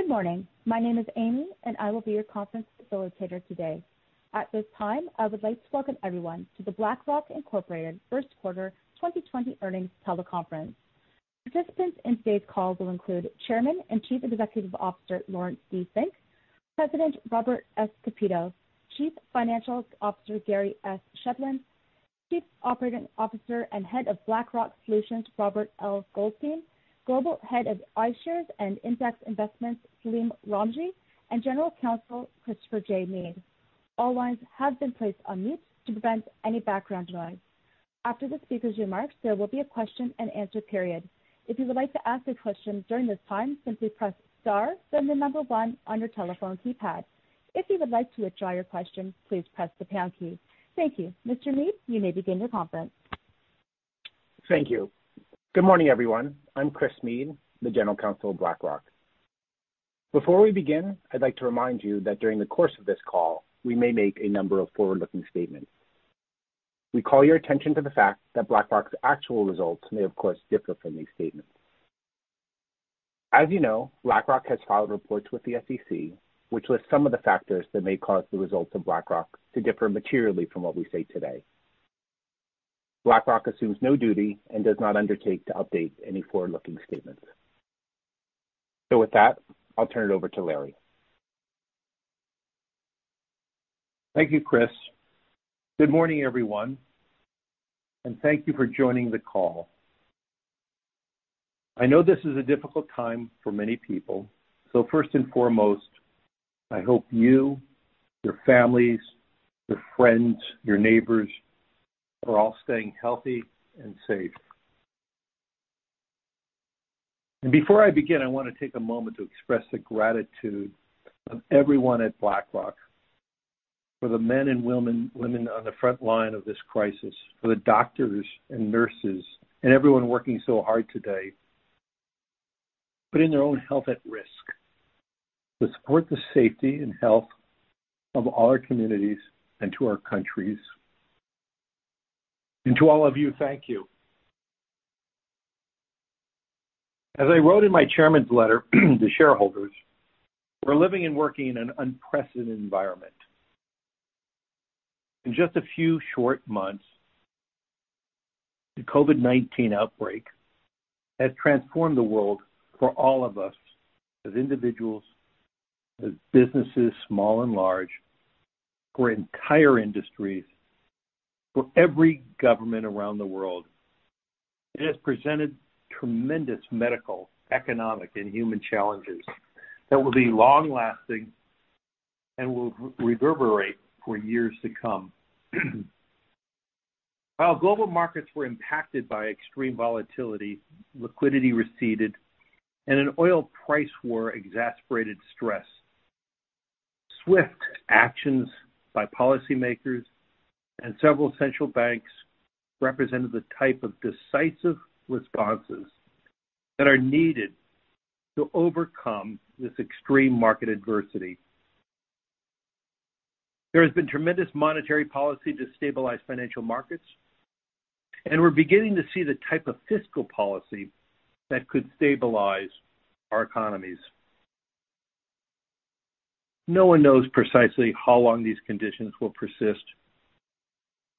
Good morning. My name is Amy, and I will be your conference facilitator today. At this time, I would like to welcome everyone to the BlackRock Incorporated first quarter 2020 earnings teleconference. Participants in today's call will include Chairman and Chief Executive Officer, Laurence D. Fink, President, Robert S. Kapito, Chief Financial Officer, Gary S. Shedlin, Chief Operating Officer and Head of BlackRock Solutions, Robert L. Goldstein, Global Head of iShares and Index Investments, Salim Ramji, and General Counsel, Christopher J. Meade. All lines have been placed on mute to prevent any background noise. After the speaker's remarks, there will be a question and answer period. If you would like to ask a question during this time, simply press star, then the number one on your telephone keypad. If you would like to withdraw your question, please press the pound key. Thank you. Mr. Meade, you may begin your conference. Thank you. Good morning, everyone. I'm Chris Meade, the General Counsel of BlackRock. Before we begin, I'd like to remind you that during the course of this call, we may make a number of forward-looking statements. We call your attention to the fact that BlackRock's actual results may, of course, differ from these statements. As you know, BlackRock has filed reports with the SEC, which list some of the factors that may cause the results of BlackRock to differ materially from what we say today. BlackRock assumes no duty and does not undertake to update any forward-looking statements. With that, I'll turn it over to Larry. Thank you, Chris. Good morning, everyone. Thank you for joining the call. I know this is a difficult time for many people. First and foremost, I hope you, your families, your friends, your neighbors, are all staying healthy and safe. Before I begin, I want to take a moment to express the gratitude of everyone at BlackRock for the men and women on the front line of this crisis, for the doctors and nurses and everyone working so hard today, putting their own health at risk to support the safety and health of all our communities and to our countries. To all of you, thank you. As I wrote in my chairman's letter to shareholders, we're living and working in an unprecedented environment. In just a few short months, the COVID-19 outbreak has transformed the world for all of us as individuals, as businesses, small and large, for entire industries, for every government around the world. It has presented tremendous medical, economic, and human challenges that will be long-lasting and will reverberate for years to come. While global markets were impacted by extreme volatility, liquidity receded, and an oil price war exacerbated stress. Swift actions by policymakers and several central banks represented the type of decisive responses that are needed to overcome this extreme market adversity. There has been tremendous monetary policy to stabilize financial markets, and we're beginning to see the type of fiscal policy that could stabilize our economies. No one knows precisely how long these conditions will persist.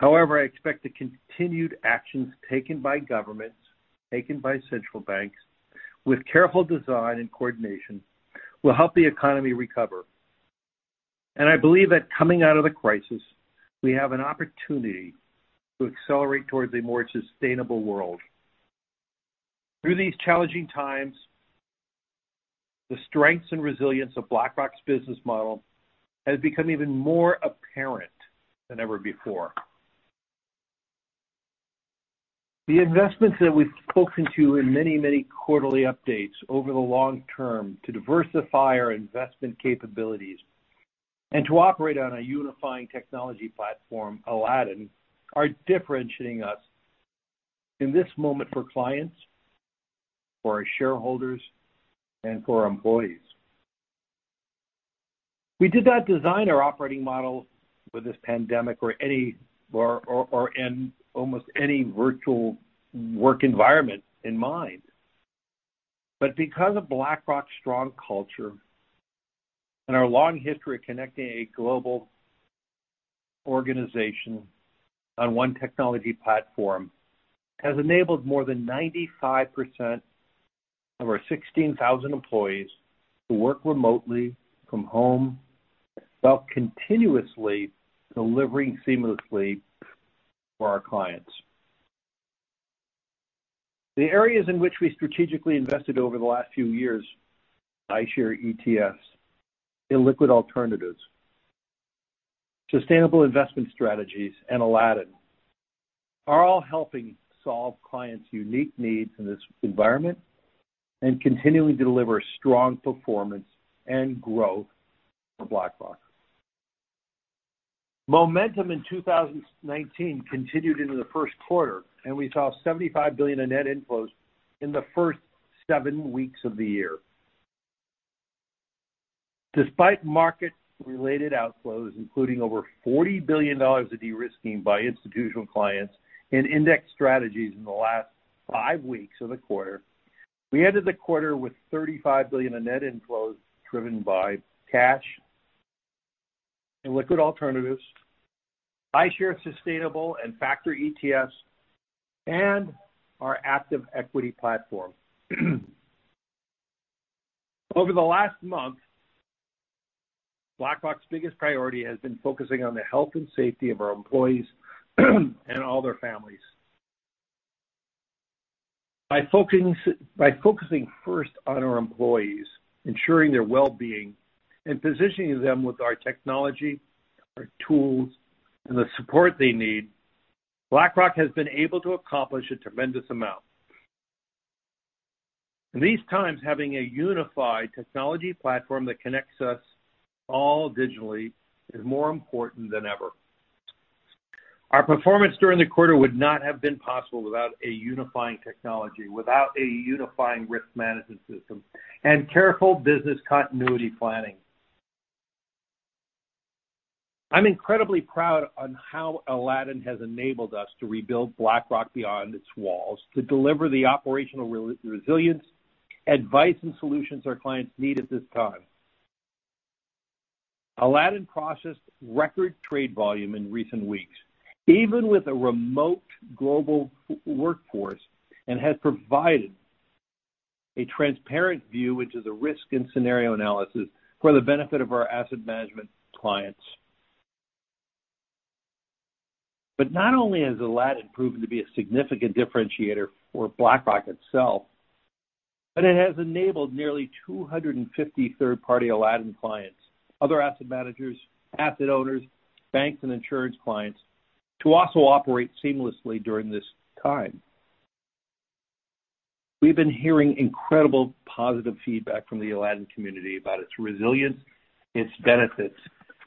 However, I expect the continued actions taken by governments, taken by central banks, with careful design and coordination, will help the economy recover. I believe that coming out of the crisis, we have an opportunity to accelerate towards a more sustainable world. Through these challenging times, the strengths and resilience of BlackRock's business model has become even more apparent than ever before. The investments that we've spoken to in many quarterly updates over the long term to diversify our investment capabilities and to operate on a unifying technology platform, Aladdin, are differentiating us in this moment for clients, for our shareholders, and for our employees. We did not design our operating model for this pandemic or in almost any virtual work environment in mind. Because of BlackRock's strong culture and our long history of connecting a global organization on one technology platform has enabled more than 95% of our 16,000 employees to work remotely from home while continuously delivering seamlessly for our clients. The areas in which we strategically invested over the last few years, iShares ETFs, illiquid alternatives, sustainable investment strategies, and Aladdin, are all helping solve clients' unique needs in this environment and continually deliver strong performance and growth for BlackRock. Momentum in 2019 continued into the first quarter. We saw $75 billion in net inflows in the first seven weeks of the year. Despite market-related outflows, including over $40 billion of de-risking by institutional clients and index strategies in the last five weeks of the quarter, we ended the quarter with $35 billion of net inflows driven by cash, illiquid alternatives, iShares sustainable and factor ETFs, and our active equity platform. Over the last month, BlackRock's biggest priority has been focusing on the health and safety of our employees and all their families. By focusing first on our employees, ensuring their well-being, and positioning them with our technology, our tools, and the support they need, BlackRock has been able to accomplish a tremendous amount. In these times, having a unified technology platform that connects us all digitally is more important than ever. Our performance during the quarter would not have been possible without a unifying technology, without a unifying risk management system, and careful business continuity planning. I'm incredibly proud on how Aladdin has enabled us to rebuild BlackRock beyond its walls to deliver the operational resilience, advice, and solutions our clients need at this time. Aladdin processed record trade volume in recent weeks, even with a remote global workforce, and has provided a transparent view into the risk and scenario analysis for the benefit of our asset management clients. Not only has Aladdin proven to be a significant differentiator for BlackRock itself, but it has enabled nearly 250 third-party Aladdin clients, other asset managers, asset owners, banks, and insurance clients to also operate seamlessly during this time. We've been hearing incredible positive feedback from the Aladdin community about its resilience, its benefits.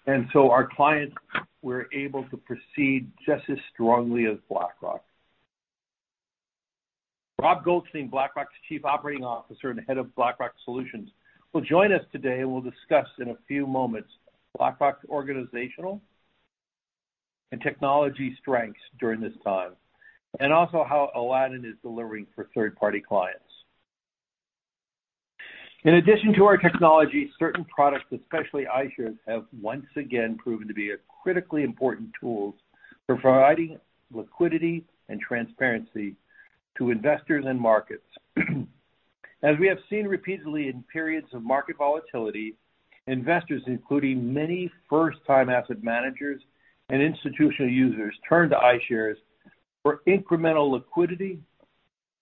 Our clients were able to proceed just as strongly as BlackRock. Rob Goldstein, BlackRock's Chief Operating Officer and Head of BlackRock Solutions, will join us today and will discuss in a few moments BlackRock's organizational and technology strengths during this time, and also how Aladdin is delivering for third-party clients. In addition to our technology, certain products, especially iShares, have once again proven to be critically important tools for providing liquidity and transparency to investors and markets. As we have seen repeatedly in periods of market volatility, investors, including many first-time asset managers and institutional users, turn to iShares for incremental liquidity,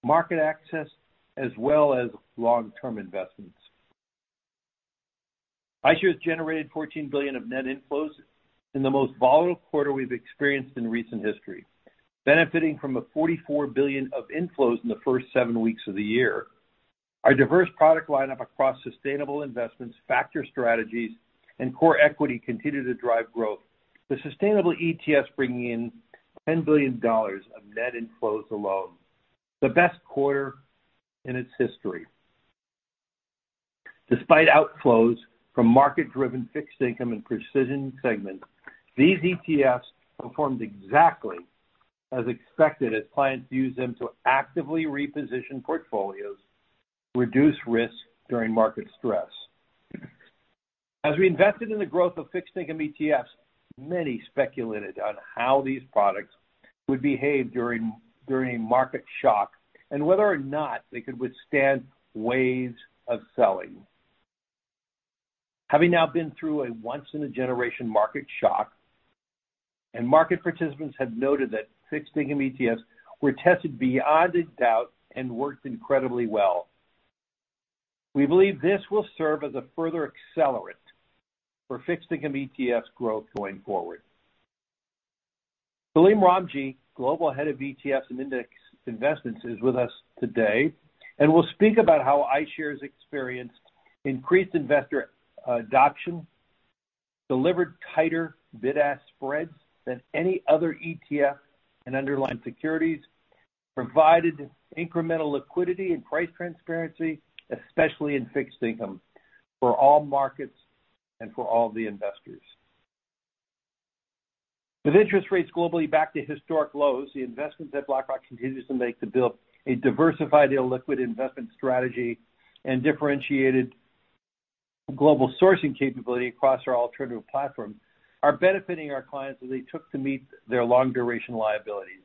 market access, as well as long-term investments. iShares generated $14 billion of net inflows in the most volatile quarter we've experienced in recent history, benefiting from $44 billion of inflows in the first seven weeks of the year. Our diverse product lineup across sustainable investments, factor strategies, and core equity continue to drive growth. The sustainable ETFs bringing in $10 billion of net inflows alone, the best quarter in its history. Despite outflows from market-driven fixed income and precision segments, these ETFs performed exactly as expected as clients used them to actively reposition portfolios to reduce risk during market stress. As we invested in the growth of fixed income ETFs, many speculated on how these products would behave during market shock and whether or not they could withstand waves of selling. Having now been through a once-in-a-generation market shock and market participants have noted that fixed income ETFs were tested beyond a doubt and worked incredibly well. We believe this will serve as a further accelerant for fixed income ETFs growth going forward. Salim Ramji, Global Head of ETFs and Index Investments, is with us today and will speak about how iShares experienced increased investor adoption, delivered tighter bid-ask spreads than any other ETF and underlying securities, provided incremental liquidity and price transparency, especially in fixed income for all markets and for all the investors. With interest rates globally back to historic lows, the investments that BlackRock continues to make to build a diversified illiquid investment strategy and differentiated global sourcing capability across our alternative platform are benefiting our clients as they took to meet their long-duration liabilities.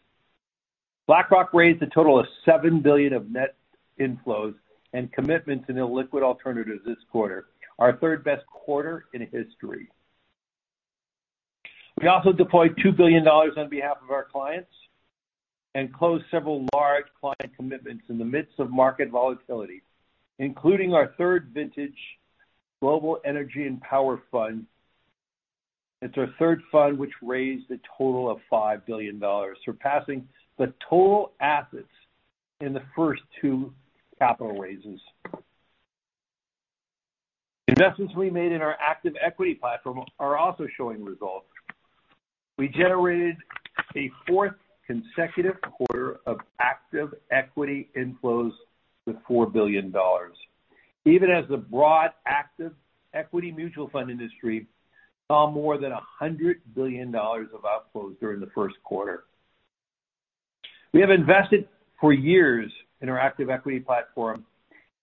BlackRock raised a total of $7 billion of net inflows and commitments in illiquid alternatives this quarter, our third-best quarter in history. We also deployed $2 billion on behalf of our clients and closed several large client commitments in the midst of market volatility, including our third vintage Global Energy & Power Fund. It's our third fund which raised a total of $5 billion, surpassing the total assets in the first two capital raises. Investments we made in our active equity platform are also showing results. We generated a fourth consecutive quarter of active equity inflows with $4 billion, even as the broad active equity mutual fund industry saw more than $100 billion of outflows during the first quarter. We have invested for years in our active equity platform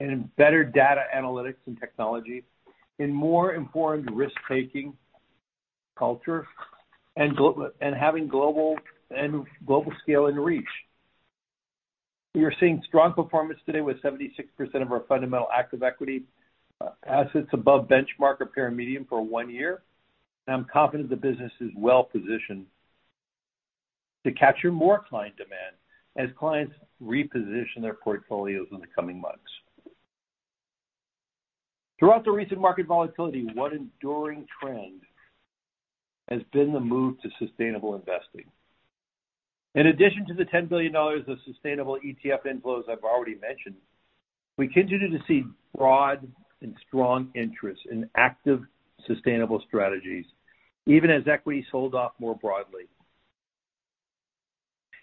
and in better data analytics and technology, in more informed risk-taking culture, and having global scale and reach. We are seeing strong performance today with 76% of our fundamental active equity assets above benchmark or peer median for one year. I'm confident the business is well-positioned to capture more client demand as clients reposition their portfolios in the coming months. Throughout the recent market volatility, one enduring trend has been the move to sustainable investing. In addition to the $10 billion of sustainable ETF inflows I've already mentioned, we continue to see broad and strong interest in active sustainable strategies, even as equity sold off more broadly.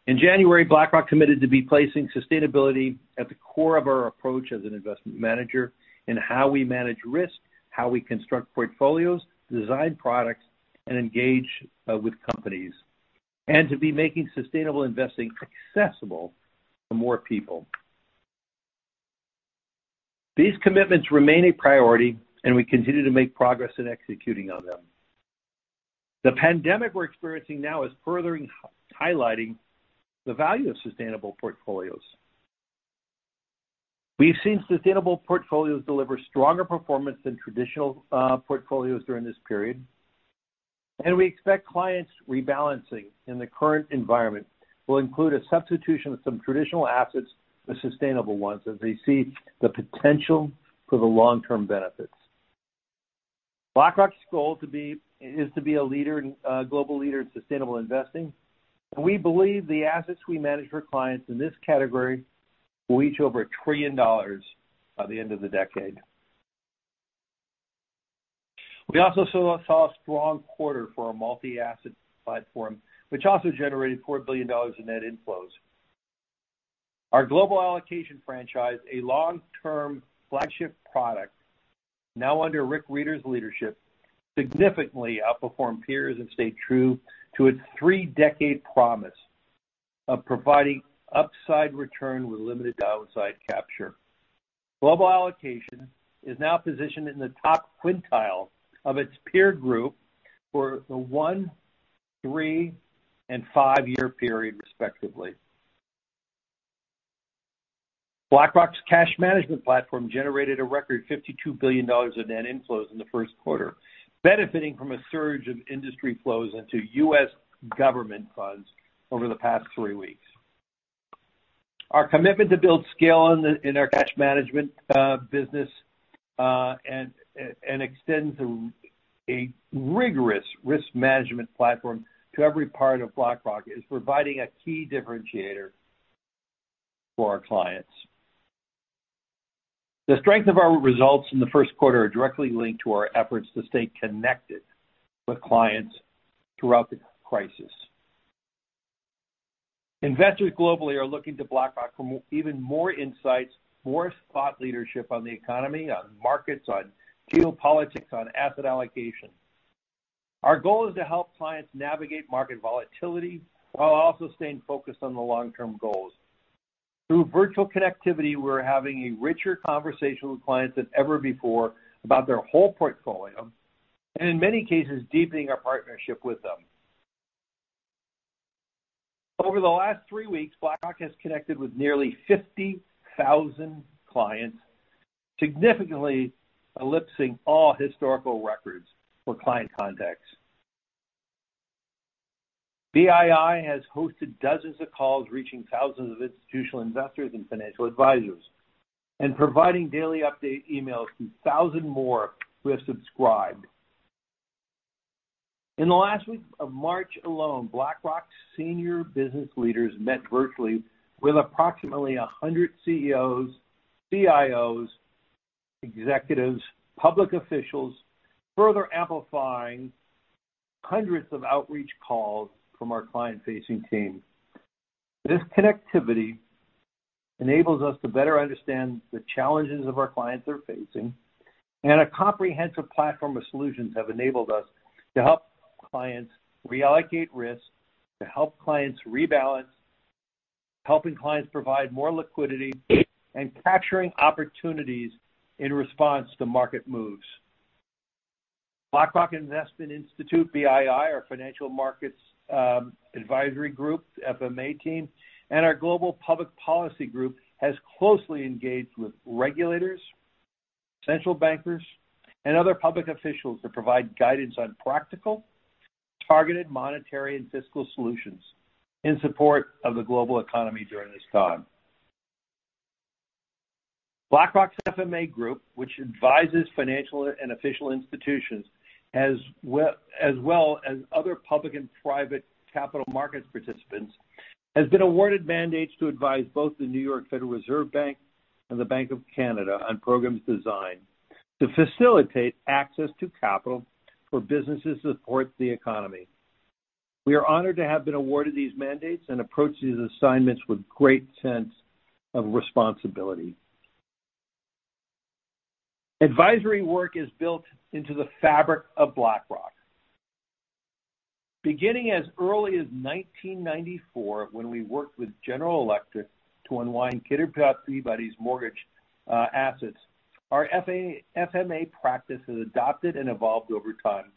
In January, BlackRock committed to be placing sustainability at the core of our approach as an investment manager in how we manage risk, how we construct portfolios, design products, and engage with companies, and to be making sustainable investing accessible to more people. These commitments remain a priority, and we continue to make progress in executing on them. The pandemic we're experiencing now is further highlighting the value of sustainable portfolios. We've seen sustainable portfolios deliver stronger performance than traditional portfolios during this period. We expect clients rebalancing in the current environment will include a substitution of some traditional assets with sustainable ones as they see the potential for the long-term benefits. BlackRock's goal is to be a global leader in sustainable investing. We believe the assets we manage for clients in this category will reach over $1 trillion by the end of the decade. We also saw a strong quarter for our multi-asset platform, which also generated $4 billion in net inflows. Our Global Allocation franchise, a long-term flagship product now under Rick Rieder's leadership, significantly outperformed peers and stayed true to its three-decade promise of providing upside return with limited downside capture. Global Allocation is now positioned in the top quintile of its peer group for the one, three, and five-year period, respectively. BlackRock's Cash Management platform generated a record $52 billion of net inflows in the first quarter, benefiting from a surge of industry flows into U.S. government funds over the past three weeks. Our commitment to build scale in our cash management business and extend a rigorous risk management platform to every part of BlackRock is providing a key differentiator for our clients. The strength of our results in the first quarter are directly linked to our efforts to stay connected with clients throughout the crisis. Investors globally are looking to BlackRock for even more insights, more thought leadership on the economy, on markets, on geopolitics, on asset allocation. Our goal is to help clients navigate market volatility while also staying focused on the long-term goals. Through virtual connectivity, we're having a richer conversation with clients than ever before about their whole portfolio, and in many cases, deepening our partnership with them. Over the last three weeks, BlackRock has connected with nearly 50,000 clients, significantly eclipsing all historical records for client contacts. BII has hosted dozens of calls reaching thousands of institutional investors and financial advisors, and providing daily update emails to thousand more who have subscribed. In the last week of March alone, BlackRock's senior business leaders met virtually with approximately 100 CEOs, CIOs, executives, public officials, further amplifying hundreds of outreach calls from our client-facing team. This connectivity enables us to better understand the challenges of our clients they're facing, and a comprehensive platform of solutions have enabled us to help clients reallocate risk, to help clients rebalance, helping clients provide more liquidity, and capturing opportunities in response to market moves. BlackRock Investment Institute, BII, our Financial Markets Advisory group, FMA team, and our Global Public Policy group has closely engaged with regulators, central bankers, and other public officials to provide guidance on practical, targeted monetary and fiscal solutions in support of the global economy during this time. BlackRock's FMA group, which advises financial and official institutions, as well as other public and private capital markets participants, has been awarded mandates to advise both the Federal Reserve Bank of New York and the Bank of Canada on programs designed to facilitate access to capital for businesses to support the economy. We are honored to have been awarded these mandates and approach these assignments with great sense of responsibility. Advisory work is built into the fabric of BlackRock. Beginning as early as 1994, when we worked with General Electric to unwind Kidder Peabody's mortgage assets, our FMA practice has adopted and evolved over time,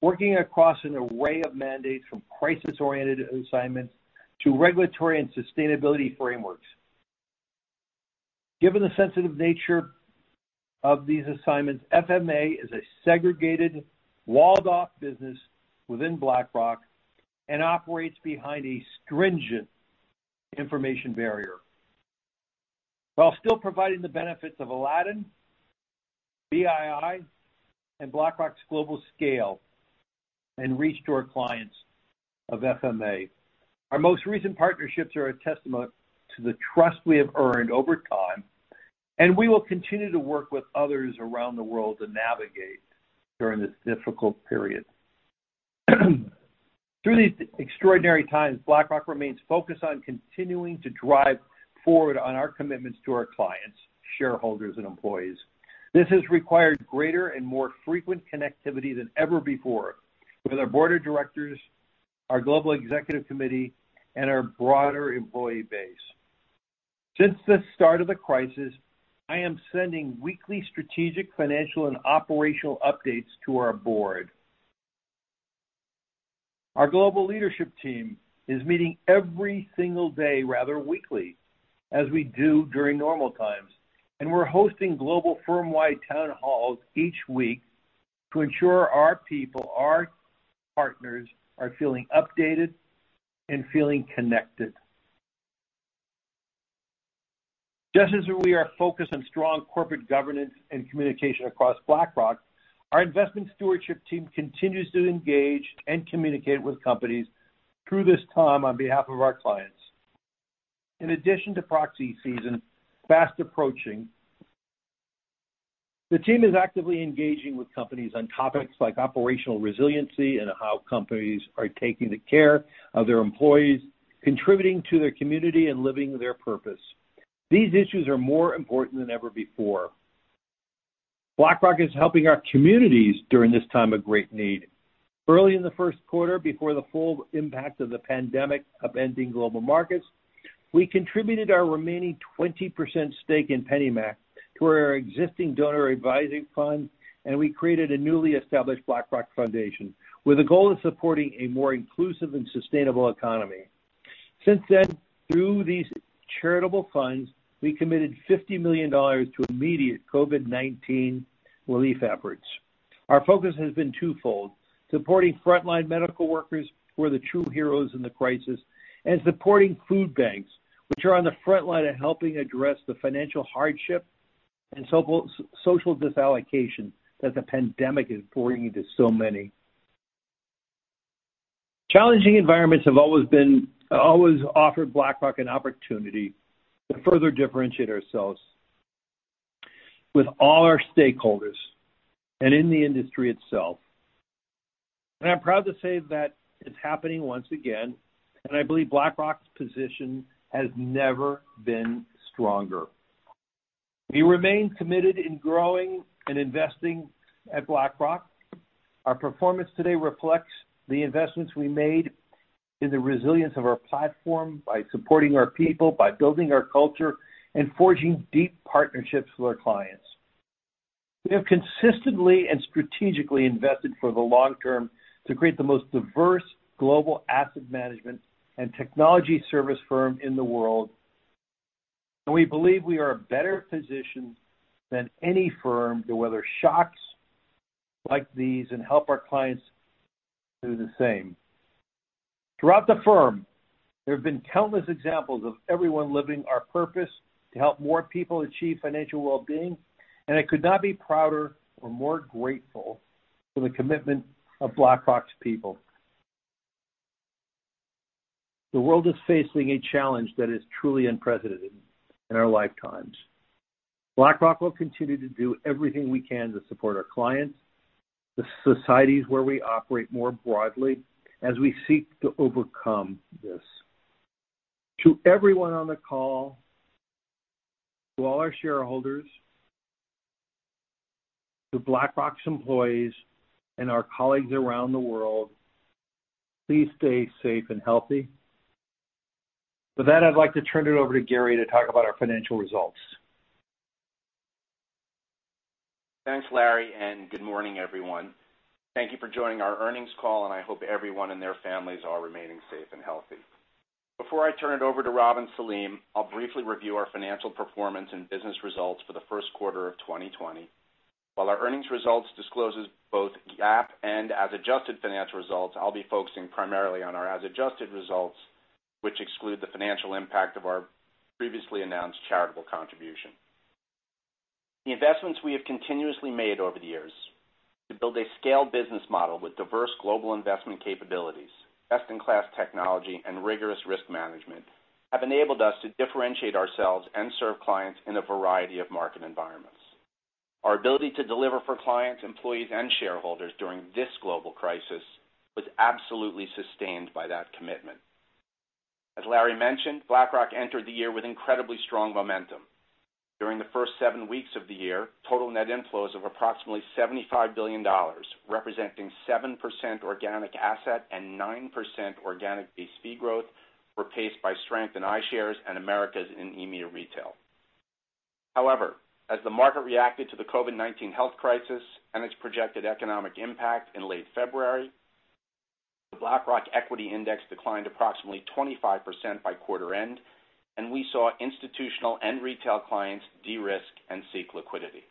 working across an array of mandates from crisis-oriented assignments to regulatory and sustainability frameworks. Given the sensitive nature of these assignments, FMA is a segregated, walled-off business within BlackRock and operates behind a stringent information barrier while still providing the benefits of Aladdin, BII, and BlackRock's global scale and reach to our clients of FMA. Our most recent partnerships are a testament to the trust we have earned over time, and we will continue to work with others around the world to navigate during this difficult period. Through these extraordinary times, BlackRock remains focused on continuing to drive forward on our commitments to our clients, shareholders, and employees. This has required greater and more frequent connectivity than ever before with our board of directors, our global executive committee, and our broader employee base. Since the start of the crisis, I am sending weekly strategic, financial, and operational updates to our board. Our global leadership team is meeting every single day rather weekly, as we do during normal times, and we're hosting global, firm-wide, town halls each week to ensure our people, our partners, are feeling updated and feeling connected. Just as we are focused on strong corporate governance and communication across BlackRock, our investment stewardship team continues to engage and communicate with companies through this time on behalf of our clients. In addition to proxy season fast approaching, the team is actively engaging with companies on topics like operational resiliency and how companies are taking the care of their employees, contributing to their community, and living their purpose. These issues are more important than ever before. BlackRock is helping our communities during this time of great need. Early in the first quarter, before the full impact of the pandemic upending global markets, we contributed our remaining 20% stake in PennyMac to our existing donor advising fund, and we created a newly established BlackRock Foundation with a goal of supporting a more inclusive and sustainable economy. Since then, through these charitable funds, we committed $50 million to immediate COVID-19 relief efforts. Our focus has been twofold, supporting frontline medical workers who are the true heroes in the crisis, and supporting food banks, which are on the frontline of helping address the financial hardship and social dislocation that the pandemic is pouring into so many. Challenging environments have always offered BlackRock an opportunity to further differentiate ourselves with all our stakeholder s and in the industry itself. I'm proud to say that it's happening once again, and I believe BlackRock's position has never been stronger. We remain committed in growing and investing at BlackRock. Our performance today reflects the investments we made in the resilience of our platform by supporting our people, by building our culture, and forging deep partnerships with our clients. We have consistently and strategically invested for the long term to create the most diverse global asset management and technology service firm in the world. We believe we are better positioned than any firm to weather shocks like these and help our clients do the same. Throughout the firm, there have been countless examples of everyone living our purpose to help more people achieve financial well-being, and I could not be prouder or more grateful for the commitment of BlackRock's people. The world is facing a challenge that is truly unprecedented in our lifetimes. BlackRock will continue to do everything we can to support our clients, the societies where we operate more broadly, as we seek to overcome this. To everyone on the call, to all our shareholders, to BlackRock's employees and our colleagues around the world, please stay safe and healthy. With that, I'd like to turn it over to Gary to talk about our financial results. Thanks, Larry. Good morning, everyone. Thank you for joining our earnings call, and I hope everyone and their families are remaining safe and healthy. Before I turn it over to Rob and Salim, I'll briefly review our financial performance and business results for the first quarter of 2020. While our earnings results discloses both GAAP and as adjusted financial results, I'll be focusing primarily on our as adjusted results, which exclude the financial impact of our previously announced charitable contribution. The investments we have continuously made over the years to build a scaled business model with diverse global investment capabilities, best-in-class technology, and rigorous risk management have enabled us to differentiate ourselves and serve clients in a variety of market environments. Our ability to deliver for clients, employees, and shareholders during this global crisis was absolutely sustained by that commitment. As Larry mentioned, BlackRock entered the year with incredibly strong momentum. During the first seven weeks of the year, total net inflows of approximately $75 billion, representing 7% organic asset and 9% organic base fee growth, were paced by strength in iShares and Americas in EMEA retail. As the market reacted to the COVID-19 health crisis and its projected economic impact in late February, the BlackRock Equity Index declined approximately 25% by quarter end, and we saw institutional and retail clients de-risk and seek liquidity.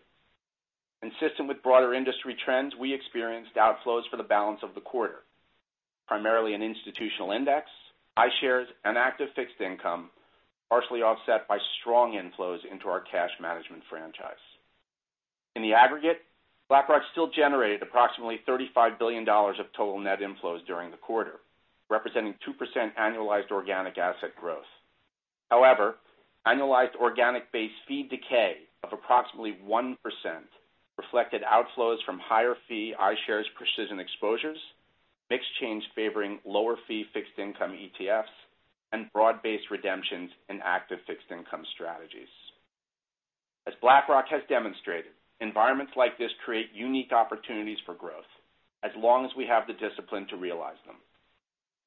Consistent with broader industry trends, we experienced outflows for the balance of the quarter, primarily in institutional index, iShares, and active fixed income, partially offset by strong inflows into our cash management franchise. In the aggregate, BlackRock still generated approximately $35 billion of total net inflows during the quarter, representing 2% annualized organic asset growth. However, annualized organic base fee decay of approximately 1% reflected outflows from higher fee iShares precision exposures, mix change favoring lower fee fixed income ETFs, and broad-based redemptions in active fixed income strategies. As BlackRock has demonstrated, environments like this create unique opportunities for growth as long as we have the discipline to realize them.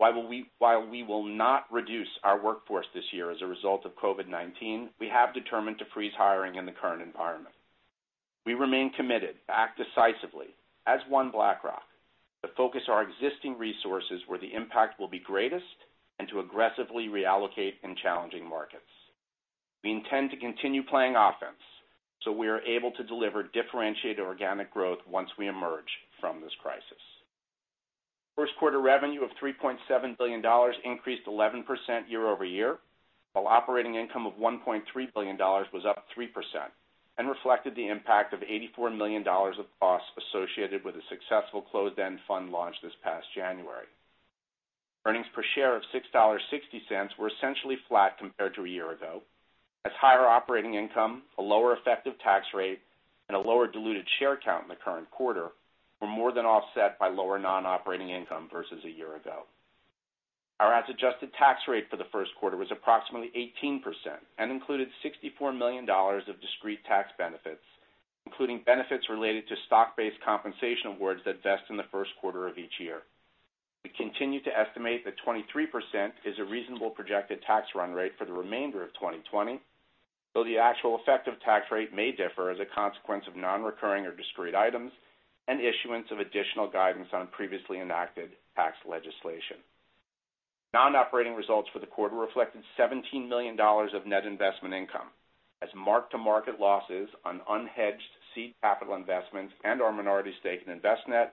While we will not reduce our workforce this year as a result of COVID-19, we have determined to freeze hiring in the current environment. We remain committed to act decisively as One BlackRock to focus our existing resources where the impact will be greatest and to aggressively reallocate in challenging markets. We intend to continue playing offense so we are able to deliver differentiated organic growth once we emerge from this crisis. First quarter revenue of $3.7 billion increased 11% year-over-year, while operating income of $1.3 billion was up 3% and reflected the impact of $84 million of costs associated with a successful closed-end fund launch this past January. Earnings per share of $6.60 were essentially flat compared to a year ago, as higher operating income, a lower effective tax rate, and a lower diluted share count in the current quarter were more than offset by lower non-operating income versus a year ago. Our adjusted tax rate for the first quarter was approximately 18% and included $64 million of discrete tax benefits, including benefits related to stock-based compensation awards that vest in the first quarter of each year. We continue to estimate that 23% is a reasonable projected tax run rate for the remainder of 2020, though the actual effective tax rate may differ as a consequence of non-recurring or discrete items and issuance of additional guidance on previously enacted tax legislation. Non-operating results for the quarter reflected $17 million of net investment income, as mark-to-market losses on unhedged seed capital investments and our minority stake in Envestnet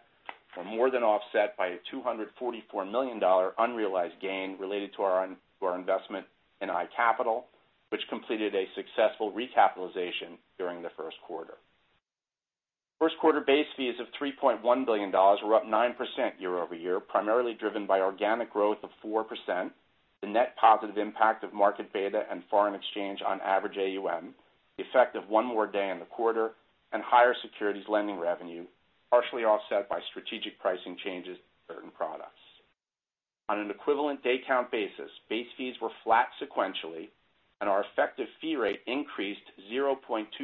were more than offset by a $244 million unrealized gain related to our investment in iCapital, which completed a successful recapitalization during the first quarter. First quarter base fees of $3.1 billion were up 9% year-over-year, primarily driven by organic growth of 4%, the net positive impact of market beta and foreign exchange on average AUM, the effect of one more day in the quarter, and higher securities lending revenue, partially offset by strategic pricing changes to certain products. On an equivalent day count basis, base fees were flat sequentially, and our effective fee rate increased 0.2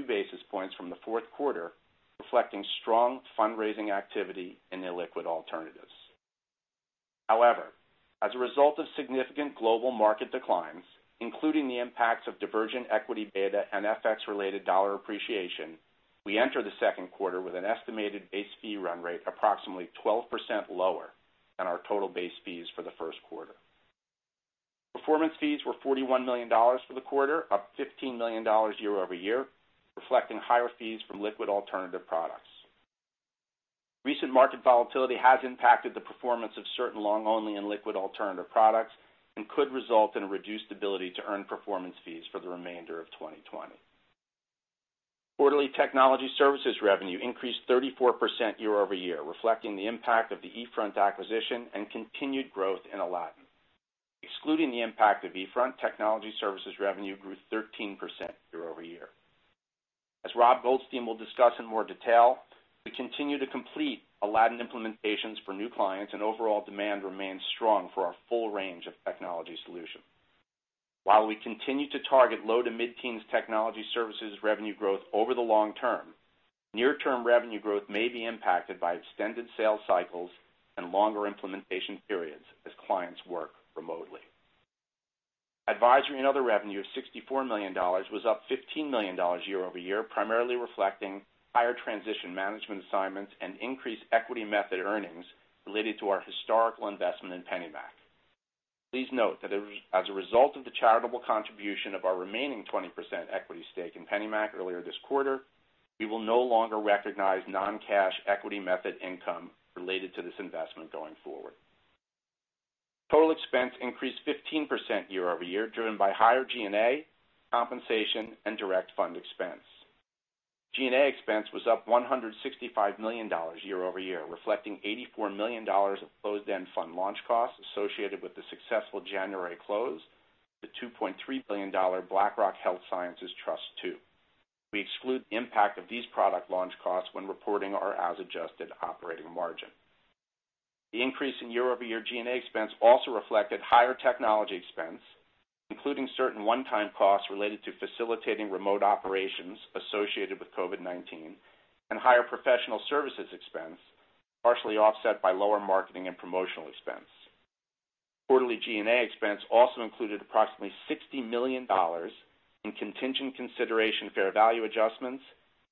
basis points from the fourth quarter, reflecting strong fundraising activity in illiquid alternatives. However, as a result of significant global market declines, including the impacts of divergent equity beta and FX-related dollar appreciation, we enter the second quarter with an estimated base fee run rate approximately 12% lower than our total base fees for the first quarter. Performance fees were $41 million for the quarter, up $15 million year-over-year, reflecting higher fees from liquid alternative products. Recent market volatility has impacted the performance of certain long-only and liquid alternative products and could result in a reduced ability to earn performance fees for the remainder of 2020. Quarterly technology services revenue increased 34% year-over-year, reflecting the impact of the eFront acquisition and continued growth in Aladdin. Excluding the impact of eFront, technology services revenue grew 13% year-over-year. As Rob Goldstein will discuss in more detail, we continue to complete Aladdin implementations for new clients and overall demand remains strong for our full range of technology solutions. While we continue to target low- to mid-teens technology services revenue growth over the long term, near-term revenue growth may be impacted by extended sales cycles and longer implementation periods as clients work remotely. Advisory and other revenue of $64 million was up $15 million year-over-year, primarily reflecting higher transition management assignments and increased equity method earnings related to our historical investment in PennyMac. Please note that as a result of the charitable contribution of our remaining 20% equity stake in PennyMac earlier this quarter, we will no longer recognize non-cash equity method income related to this investment going forward. Total expense increased 15% year-over-year, driven by higher G&A, compensation, and direct fund expense. G&A expense was up $165 million year-over-year, reflecting $84 million of closed-end fund launch costs associated with the successful January close, the $2.3 billion BlackRock Health Sciences Trust II. We exclude the impact of these product launch costs when reporting our as-adjusted operating margin. The increase in year-over-year G&A expense also reflected higher technology expense, including certain one-time costs related to facilitating remote operations associated with COVID-19 and higher professional services expense, partially offset by lower marketing and promotional expense. Quarterly G&A expense also included approximately $60 million in contingent consideration, fair value adjustments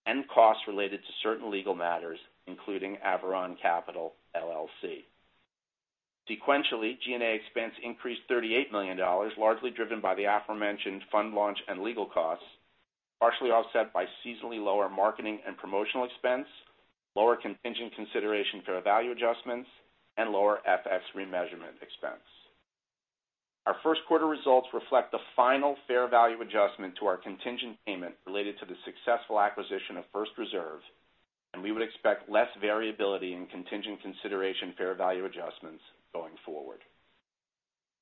and costs related to certain legal matters, including Aviron Capital LLC. Sequentially, G&A expense increased $38 million, largely driven by the aforementioned fund launch and legal costs, partially offset by seasonally lower marketing and promotional expense, lower contingent consideration fair value adjustments, and lower FX remeasurement expense. Our first quarter results reflect the final fair value adjustment to our contingent payment related to the successful acquisition of First Reserve. We would expect less variability in contingent consideration fair value adjustments going forward.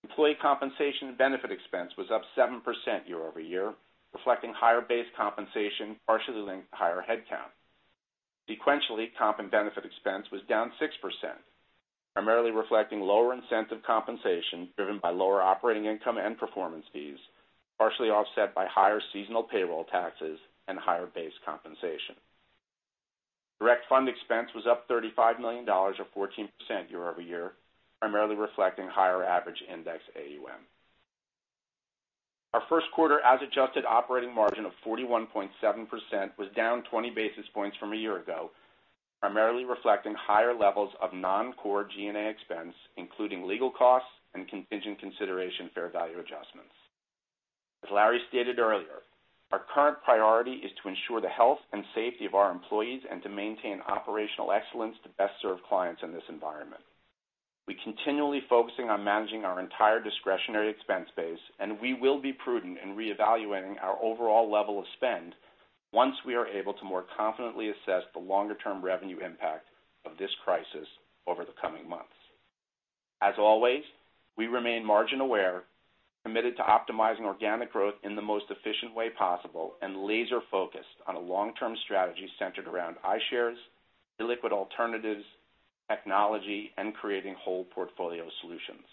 Employee compensation and benefit expense was up 7% year-over-year, reflecting higher base compensation, partially linked to higher headcount. Sequentially, comp and benefit expense was down 6%, primarily reflecting lower incentive compensation driven by lower operating income and performance fees, partially offset by higher seasonal payroll taxes and higher base compensation. Direct fund expense was up $35 million, or 14% year-over-year, primarily reflecting higher average index AUM. Our first quarter as adjusted operating margin of 41.7% was down 20 basis points from a year ago, primarily reflecting higher levels of non-core G&A expense, including legal costs and contingent consideration fair value adjustments. As Larry stated earlier, our current priority is to ensure the health and safety of our employees and to maintain operational excellence to best serve clients in this environment. We're continually focusing on managing our entire discretionary expense base, and we will be prudent in reevaluating our overall level of spend once we are able to more confidently assess the longer-term revenue impact of this crisis over the coming months. As always, we remain margin aware, committed to optimizing organic growth in the most efficient way possible, and laser focused on a long-term strategy centered around iShares, illiquid alternatives, technology, and creating whole portfolio solutions.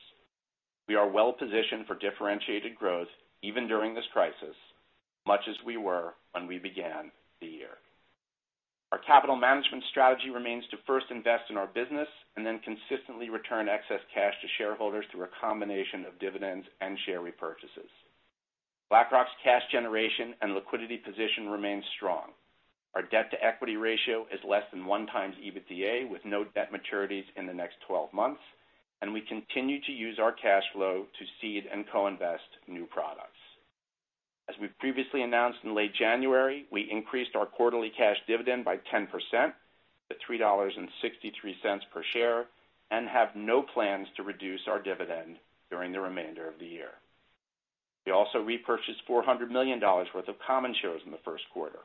We are well positioned for differentiated growth even during this crisis, much as we were when we began the year. Our capital management strategy remains to first invest in our business and then consistently return excess cash to shareholders through a combination of dividends and share repurchases. BlackRock's cash generation and liquidity position remains strong. Our debt to equity ratio is less than 1x EBITDA, with no debt maturities in the next 12 months, and we continue to use our cash flow to seed and co-invest new products. As we previously announced in late January, we increased our quarterly cash dividend by 10% to $3.63 per share and have no plans to reduce our dividend during the remainder of the year. We also repurchased $400 million worth of common shares in the first quarter.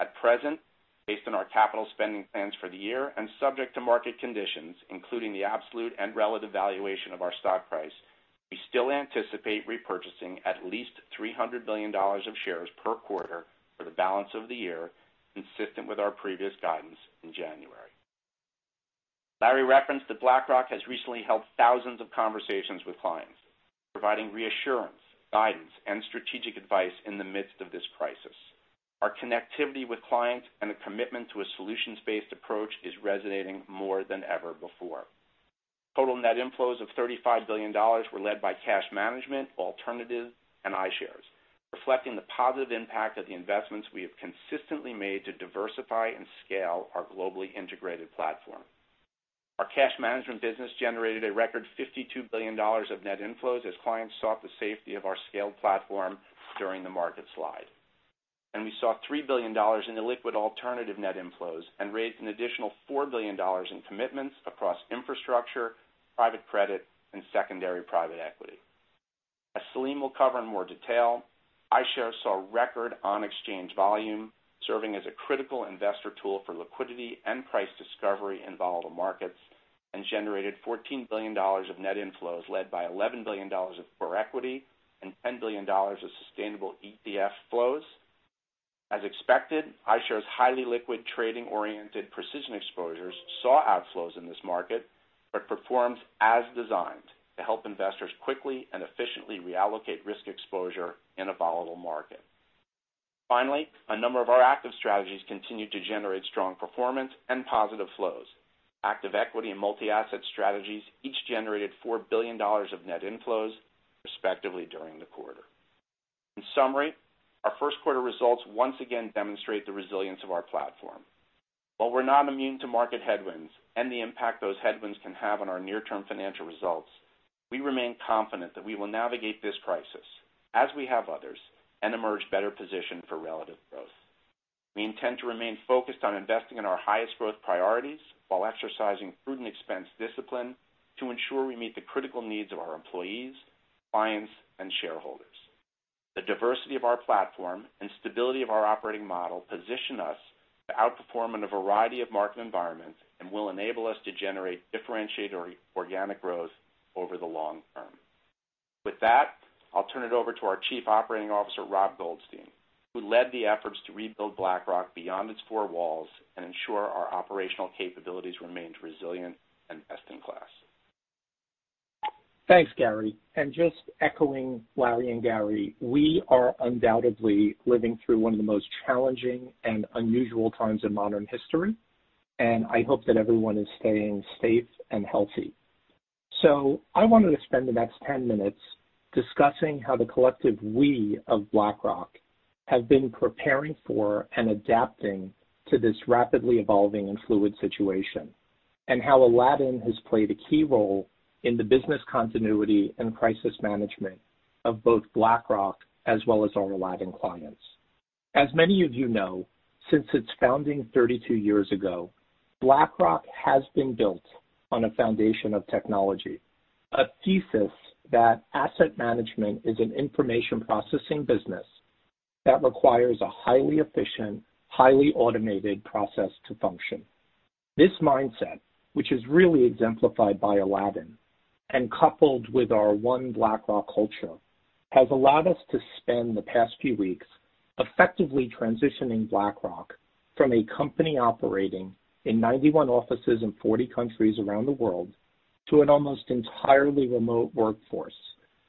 At present, based on our capital spending plans for the year and subject to market conditions, including the absolute and relative valuation of our stock price, we still anticipate repurchasing at least $300 billion of shares per quarter for the balance of the year, consistent with our previous guidance in January. Larry referenced that BlackRock has recently held thousands of conversations with clients, providing reassurance, guidance, and strategic advice in the midst of this crisis. Our connectivity with clients and the commitment to a solutions-based approach is resonating more than ever before. Total net inflows of $35 billion were led by cash management, alternative, and iShares, reflecting the positive impact of the investments we have consistently made to diversify and scale our globally integrated platform. Our cash management business generated a record $52 billion of net inflows as clients sought the safety of our scaled platform during the market slide. We saw $3 billion in illiquid alternative net inflows and raised an additional $4 billion in commitments across infrastructure, private credit, and secondary private equity. As Salim will cover in more detail, iShares saw record on-exchange volume, serving as a critical investor tool for liquidity and price discovery in volatile markets, and generated $14 billion of net inflows, led by $11 billion of core equity and $10 billion of sustainable ETF flows. As expected, iShares' highly liquid, trading-oriented precision exposures saw outflows in this market but performed as designed to help investors quickly and efficiently reallocate risk exposure in a volatile market. Finally, a number of our active strategies continued to generate strong performance and positive flows. Active equity and multi-asset strategies each generated $4 billion of net inflows, respectively, during the quarter. In summary, our first quarter results once again demonstrate the resilience of our platform. While we're not immune to market headwinds and the impact those headwinds can have on our near-term financial results, we remain confident that we will navigate this crisis, as we have others, and emerge better positioned for relative growth. We intend to remain focused on investing in our highest growth priorities while exercising prudent expense discipline to ensure we meet the critical needs of our employees, clients, and shareholders. The diversity of our platform and stability of our operating model position us to outperform in a variety of market environments and will enable us to generate differentiated organic growth over the long term. With that, I'll turn it over to our Chief Operating Officer, Rob Goldstein, who led the efforts to rebuild BlackRock beyond its four walls and ensure our operational capabilities remained resilient and best in class. Thanks, Gary. Just echoing Larry and Gary, we are undoubtedly living through one of the most challenging and unusual times in modern history, and I hope that everyone is staying safe and healthy. I wanted to spend the next 10 minutes discussing how the collective 'we' of BlackRock have been preparing for and adapting to this rapidly evolving and fluid situation, and how Aladdin has played a key role in the business continuity and crisis management of both BlackRock as well as our Aladdin clients. As many of you know, since its founding 32 years ago, BlackRock has been built on a foundation of technology, a thesis that asset management is an information processing business that requires a highly efficient, highly automated process to function. This mindset, which is really exemplified by Aladdin and coupled with our One BlackRock culture, has allowed us to spend the past few weeks effectively transitioning BlackRock from a company operating in 91 offices in 40 countries around the world to an almost entirely remote workforce,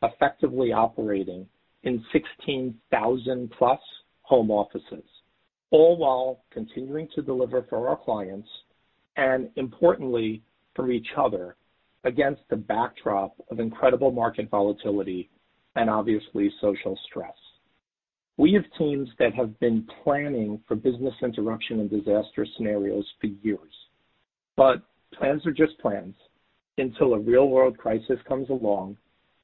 effectively operating in 16,000 plus home offices, all while continuing to deliver for our clients and, importantly, for each other against the backdrop of incredible market volatility and obviously social stress. We have teams that have been planning for business interruption and disaster scenarios for years. Plans are just plans until a real-world crisis comes along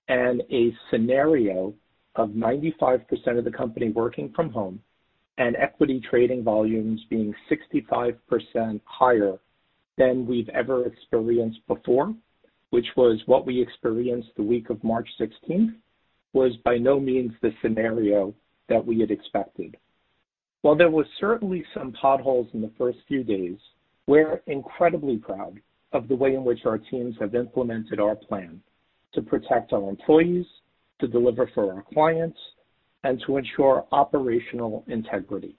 and a scenario of 95% of the company working from home and equity trading volumes being 65% higher than we've ever experienced before, which was what we experienced the week of March 16th, was by no means the scenario that we had expected. While there were certainly some potholes in the first few days, we're incredibly proud of the way in which our teams have implemented our plan to protect our employees, to deliver for our clients, and to ensure operational integrity.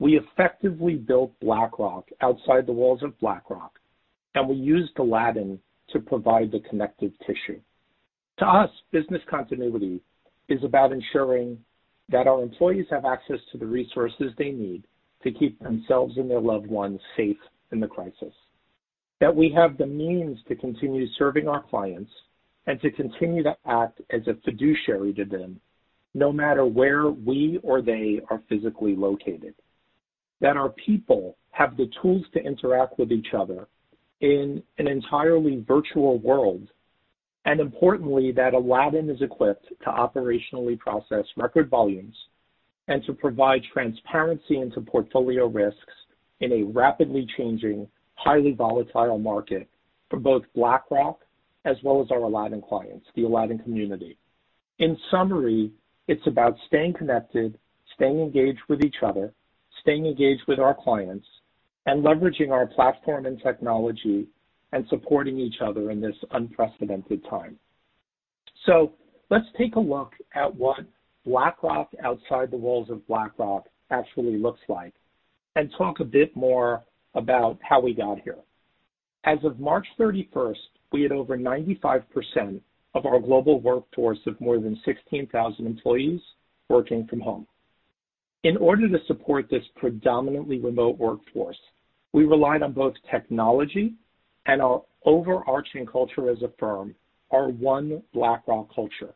We effectively built BlackRock outside the walls of BlackRock, and we used Aladdin to provide the connective tissue. To us, business continuity is about ensuring that our employees have access to the resources they need to keep themselves and their loved ones safe in the crisis. That we have the means to continue serving our clients and to continue to act as a fiduciary to them no matter where we or they are physically located. That our people have the tools to interact with each other in an entirely virtual world. Importantly, that Aladdin is equipped to operationally process record volumes and to provide transparency into portfolio risks in a rapidly changing, highly volatile market for both BlackRock as well as our Aladdin clients, the Aladdin community. In summary, it's about staying connected, staying engaged with each other, staying engaged with our clients, and leveraging our platform and technology and supporting each other in this unprecedented time. Let's take a look at what BlackRock outside the walls of BlackRock actually looks like and talk a bit more about how we got here. As of March 31st, we had over 95% of our global workforce of more than 16,000 employees working from home. In order to support this predominantly remote workforce, we relied on both technology and our overarching culture as a firm, our One BlackRock culture.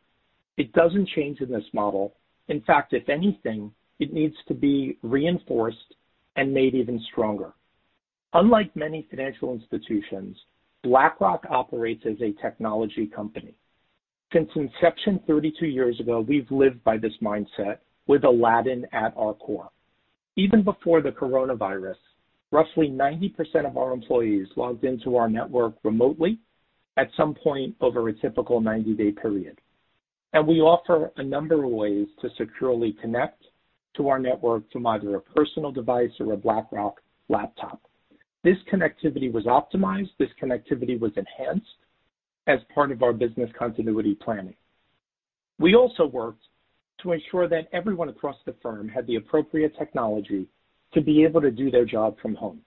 It doesn't change in this model. In fact, if anything, it needs to be reinforced and made even stronger. Unlike many financial institutions, BlackRock operates as a technology company. Since inception 32 years ago, we've lived by this mindset with Aladdin at our core. Even before the coronavirus, roughly 90% of our employees logged into our network remotely at some point over a typical 90-day period. We offer a number of ways to securely connect to our network from either a personal device or a BlackRock laptop. This connectivity was optimized, enhanced as part of our business continuity planning. We also worked to ensure that everyone across the firm had the appropriate technology to be able to do their job from home.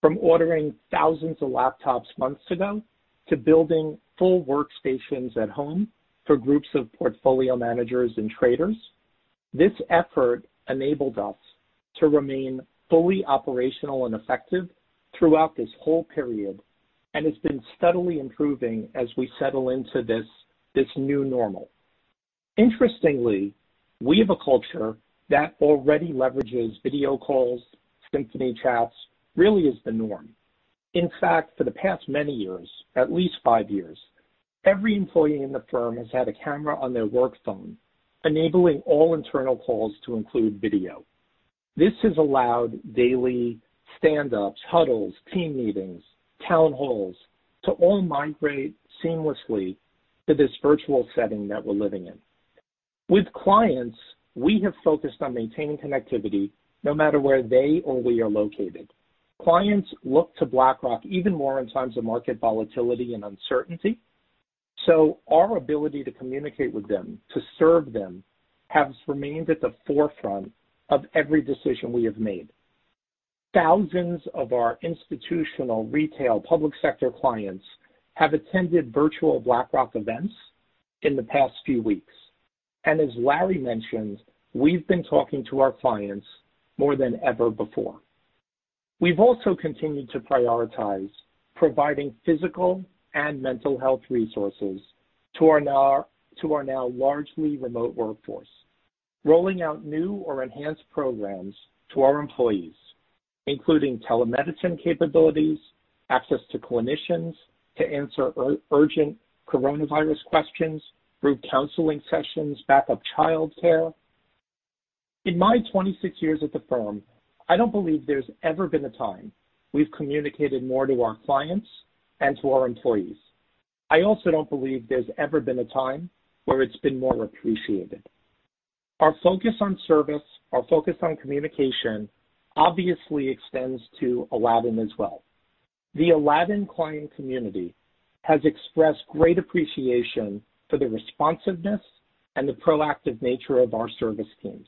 From ordering thousands of laptops months ago to building full workstations at home for groups of portfolio managers and traders, this effort enabled us to remain fully operational and effective throughout this whole period, and it's been steadily improving as we settle into this new normal. Interestingly, we have a culture that already leverages video calls, Symphony chats, really is the norm. In fact, for the past many years, at least five years, every employee in the firm has had a camera on their work phone, enabling all internal calls to include video. This has allowed daily stand-ups, huddles, team meetings, town halls to all migrate seamlessly to this virtual setting that we're living in. With clients, we have focused on maintaining connectivity no matter where they or we are located. Clients look to BlackRock even more in times of market volatility and uncertainty, so our ability to communicate with them, to serve them, has remained at the forefront of every decision we have made. Thousands of our institutional retail public sector clients have attended virtual BlackRock events in the past few weeks. As Larry mentioned, we've been talking to our clients more than ever before. We've also continued to prioritize providing physical and mental health resources to our now largely remote workforce, rolling out new or enhanced programs to our employees. Including telemedicine capabilities, access to clinicians to answer urgent coronavirus questions through counseling sessions, backup childcare. In my 26 years at the firm, I don't believe there's ever been a time we've communicated more to our clients and to our employees. I also don't believe there's ever been a time where it's been more appreciated. Our focus on service, our focus on communication obviously extends to Aladdin as well. The Aladdin client community has expressed great appreciation for the responsiveness and the proactive nature of our service teams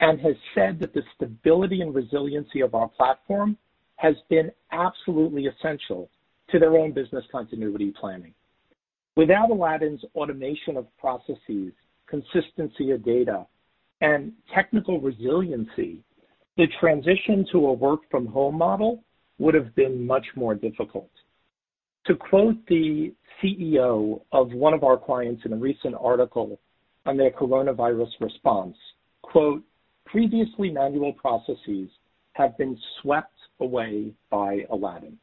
and has said that the stability and resiliency of our platform has been absolutely essential to their own business continuity planning. Without Aladdin's automation of processes, consistency of data, and technical resiliency, the transition to a work-from-home model would have been much more difficult. To quote the CEO of one of our clients in a recent article on their coronavirus response, quote, "Previously manual processes have been swept away by Aladdin."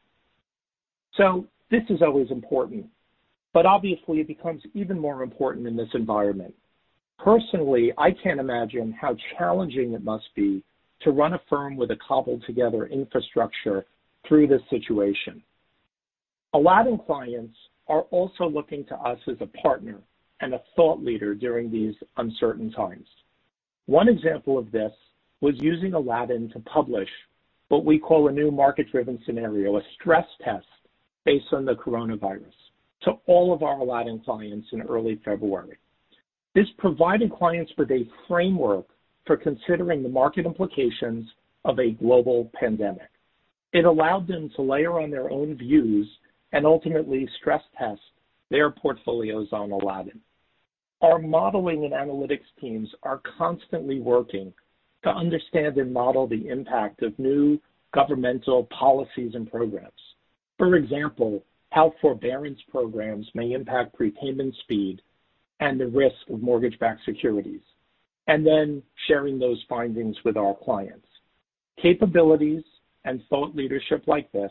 This is always important, but obviously, it becomes even more important in this environment. Personally, I can't imagine how challenging it must be to run a firm with a cobbled-together infrastructure through this situation. Aladdin clients are also looking to us as a partner and a thought leader during these uncertain times. One example of this was using Aladdin to publish what we call a new market-driven scenario, a stress test based on the coronavirus to all of our Aladdin clients in early February. This provided clients with a framework for considering the market implications of a global pandemic. It allowed them to layer on their own views and ultimately stress-test their portfolios on Aladdin. Our modeling and analytics teams are constantly working to understand and model the impact of new governmental policies and programs. For example, how forbearance programs may impact prepayment speed and the risk of mortgage-backed securities, and then sharing those findings with our clients. Capabilities and thought leadership like this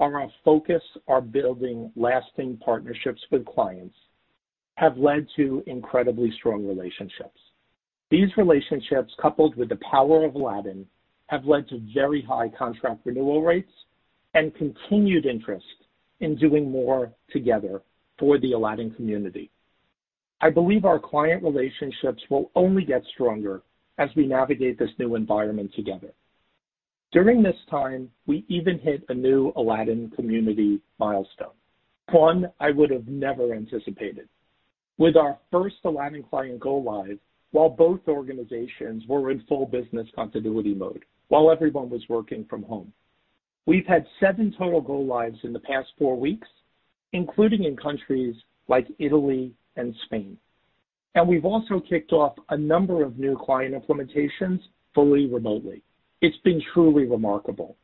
are our focus, our building lasting partnerships with clients have led to incredibly strong relationships. These relationships, coupled with the power of Aladdin, have led to very high contract renewal rates and continued interest in doing more together for the Aladdin community. I believe our client relationships will only get stronger as we navigate this new environment together. During this time, we even hit a new Aladdin community milestone, one I would have never anticipated. With our first Aladdin client go-live while both organizations were in full business continuity mode while everyone was working from home. We've had seven total go-lives in the past four weeks, including in countries like Italy and Spain. We've also kicked off a number of new client implementations fully remotely. It's been truly remarkable.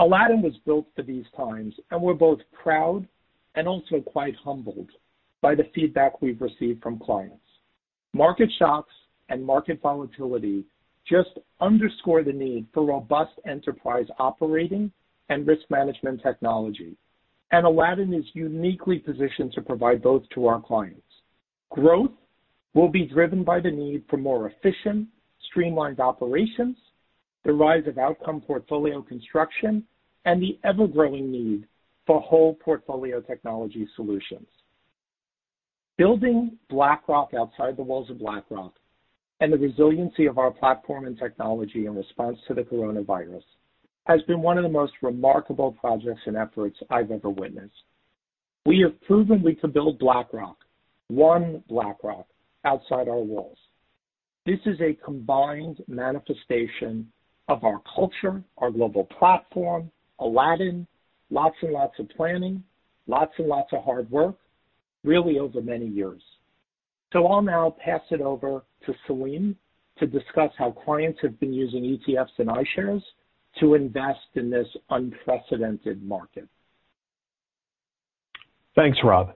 Aladdin was built for these times, and we're both proud and also quite humbled by the feedback we've received from clients. Market shocks and market volatility just underscore the need for robust enterprise operating and risk management technology. Aladdin is uniquely positioned to provide both to our clients. Growth will be driven by the need for more efficient, streamlined operations, the rise of outcome portfolio construction, and the ever-growing need for whole portfolio technology solutions. Building BlackRock outside the walls of BlackRock and the resiliency of our platform and technology in response to the COVID-19 has been one of the most remarkable projects and efforts I've ever witnessed. We have proven we can build BlackRock, One BlackRock, outside our walls. This is a combined manifestation of our culture, our global platform, Aladdin, lots and lots of planning, lots and lots of hard work, really over many years. I'll now pass it over to Salim to discuss how clients have been using ETFs and iShares to invest in this unprecedented market. Thanks, Rob.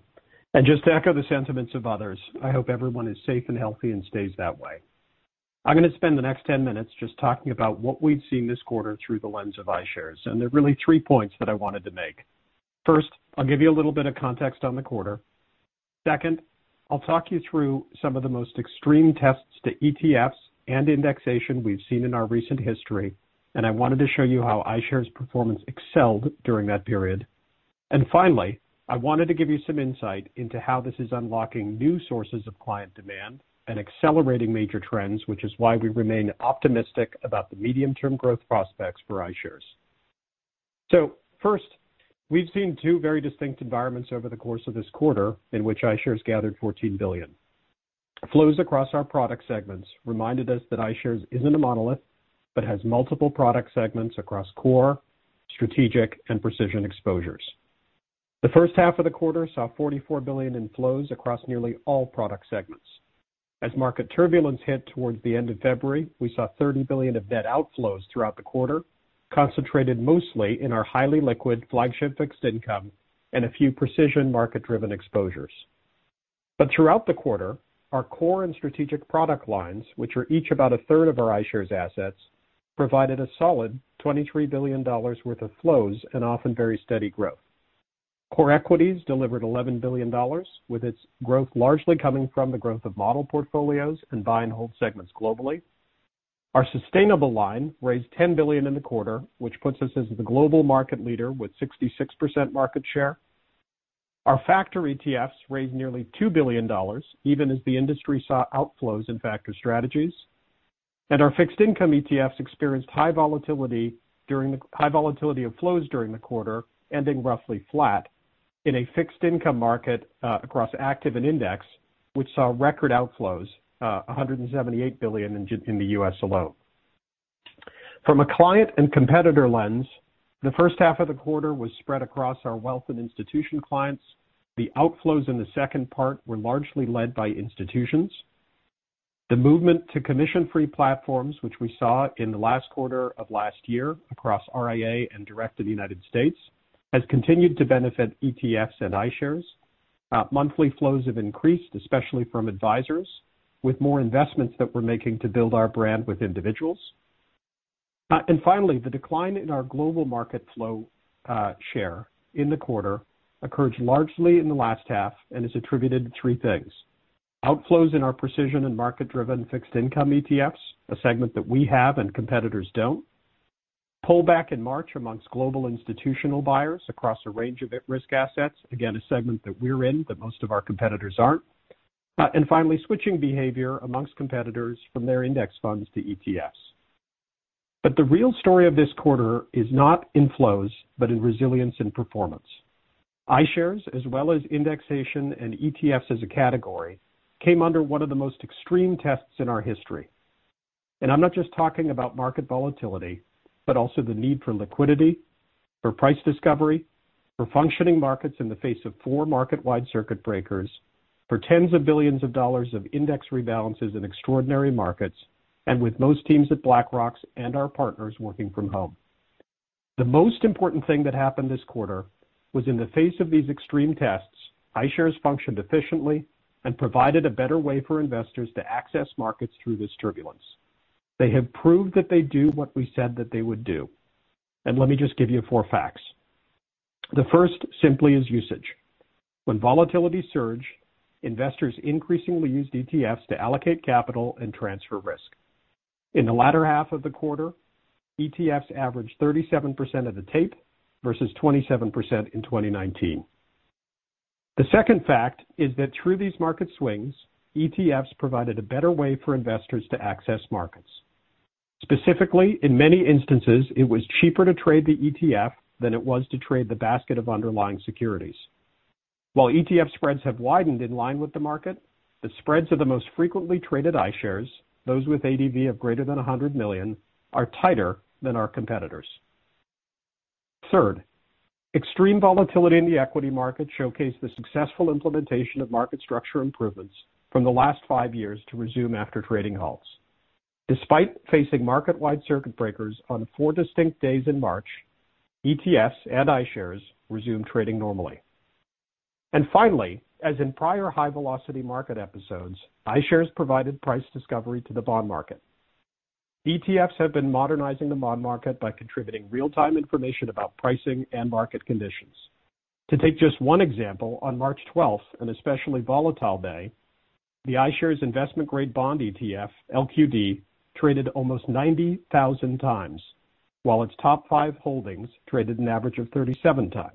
Just to echo the sentiments of others, I hope everyone is safe and healthy and stays that way. I'm going to spend the next 10 minutes just talking about what we've seen this quarter through the lens of iShares. There are really three points that I wanted to make. First, I'll give you a little bit of context on the quarter. Second, I'll talk you through some of the most extreme tests to ETFs and indexation we've seen in our recent history. I wanted to show you how iShares' performance excelled during that period. Finally, I wanted to give you some insight into how this is unlocking new sources of client demand and accelerating major trends, which is why we remain optimistic about the medium-term growth prospects for iShares. First, we've seen two very distinct environments over the course of this quarter in which iShares gathered $14 billion. Flows across our product segments reminded us that iShares isn't a monolith, but has multiple product segments across core, strategic, and precision exposures. The first half of the quarter saw $44 billion in flows across nearly all product segments. As market turbulence hit towards the end of February, we saw $30 billion of net outflows throughout the quarter, concentrated mostly in our highly liquid flagship fixed income and a few precision market-driven exposures. Throughout the quarter, our core and strategic product lines, which are each about a third of our iShares assets, provided a solid $23 billion worth of flows and often very steady growth. Core equities delivered $11 billion, with its growth largely coming from the growth of model portfolios and buy and hold segments globally. Our sustainable line raised $10 billion in the quarter, which puts us as the global market leader with 66% market share. Our factor ETFs raised nearly $2 billion, even as the industry saw outflows in factor strategies. Our fixed income ETFs experienced high volatility of flows during the quarter, ending roughly flat in a fixed income market across active and index, which saw record outflows, $178 billion in the U.S. alone. From a client and competitor lens, the first half of the quarter was spread across our wealth and institution clients. The outflows in the second part were largely led by institutions. The movement to commission-free platforms, which we saw in the last quarter of last year across RIA and direct in the United States, has continued to benefit ETFs and iShares. Monthly flows have increased, especially from advisors, with more investments that we're making to build our brand with individuals. Finally, the decline in our global market flow share in the quarter occurred largely in the last half and is attributed to three things. Outflows in our precision and market-driven fixed income ETFs, a segment that we have and competitors don't. Pullback in March amongst global institutional buyers across a range of at-risk assets. Again, a segment that we're in, but most of our competitors aren't. Finally, switching behavior amongst competitors from their index funds to ETFs. The real story of this quarter is not in flows, but in resilience and performance. iShares, as well as indexation and ETFs as a category, came under one of the most extreme tests in our history. I'm not just talking about market volatility, but also the need for liquidity, for price discovery, for functioning markets in the face of four market-wide circuit breakers, for tens of billions of dollars of index rebalances in extraordinary markets, and with most teams at BlackRock and our partners working from home. The most important thing that happened this quarter was in the face of these extreme tests, iShares functioned efficiently and provided a better way for investors to access markets through this turbulence. They have proved that they do what we said that they would do. Let me just give you four facts. The first simply is usage. When volatility surged, investors increasingly used ETFs to allocate capital and transfer risk. In the latter half of the quarter, ETFs averaged 37% of the tape versus 27% in 2019. The second fact is that through these market swings, ETFs provided a better way for investors to access markets. Specifically, in many instances, it was cheaper to trade the ETF than it was to trade the basket of underlying securities. While ETF spreads have widened in line with the market, the spreads of the most frequently traded iShares, those with ADV of greater than $100 million, are tighter than our competitors. Third, extreme volatility in the equity market showcased the successful implementation of market structure improvements from the last five years to resume after trading halts. Despite facing market-wide circuit breakers on four distinct days in March, ETFs and iShares resumed trading normally. Finally, as in prior high-velocity market episodes, iShares provided price discovery to the bond market. ETFs have been modernizing the bond market by contributing real-time information about pricing and market conditions. To take just one example, on March 12th, an especially volatile day, the iShares investment grade bond ETF, LQD, traded almost 90,000x, while its top five holdings traded an average of 37x.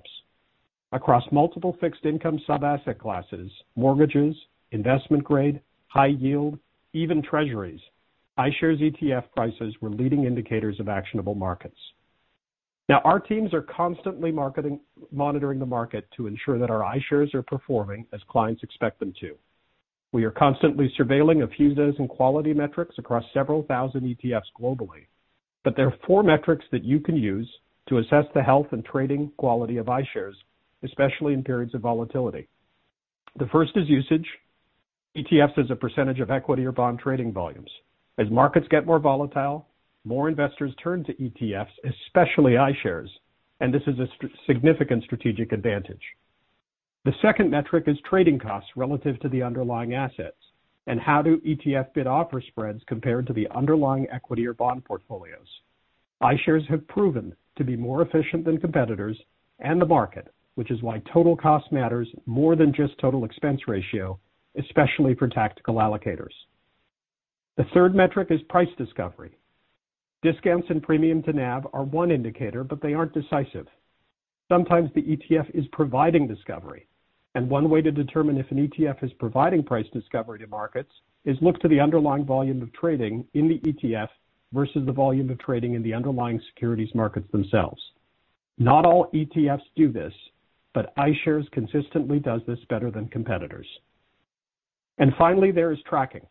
Across multiple fixed income sub-asset classes, mortgages, investment grade, high yield, even treasuries, iShares ETF prices were leading indicators of actionable markets. Now, our teams are constantly monitoring the market to ensure that our iShares are performing as clients expect them to. We are constantly surveilling a few dozen quality metrics across several thousand ETFs globally, but there are four metrics that you can use to assess the health and trading quality of iShares, especially in periods of volatility. The first is usage. ETFs as a percentage of equity or bond trading volumes. As markets get more volatile, more investors turn to ETFs, especially iShares, and this is a significant strategic advantage. The second metric is trading costs relative to the underlying assets. How do ETF bid-offer spreads compare to the underlying equity or bond portfolios? iShares have proven to be more efficient than competitors and the market, which is why total cost matters more than just total expense ratio, especially for tactical allocators. The third metric is price discovery. Discounts and premium to NAV are one indicator, but they aren't decisive. Sometimes the ETF is providing discovery, and one way to determine if an ETF is providing price discovery to markets is look to the underlying volume of trading in the ETF versus the volume of trading in the underlying securities markets themselves. Not all ETFs do this, but iShares consistently does this better than competitors. Finally, there is tracking.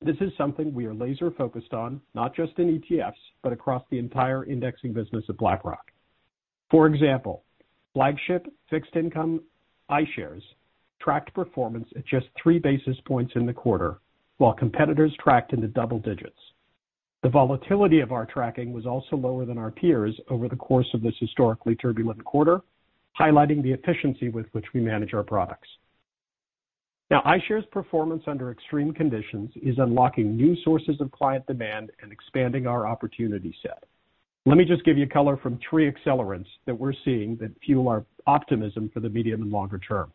This is something we are laser-focused on, not just in ETFs, but across the entire indexing business at BlackRock. For example, flagship fixed income, iShares, tracked performance at just three basis points in the quarter, while competitors tracked into double digits. The volatility of our tracking was also lower than our peers over the course of this historically turbulent quarter, highlighting the efficiency with which we manage our products. iShares performance under extreme conditions is unlocking new sources of client demand and expanding our opportunity set. Let me just give you color from three accelerants that we're seeing that fuel our optimism for the medium and longer term.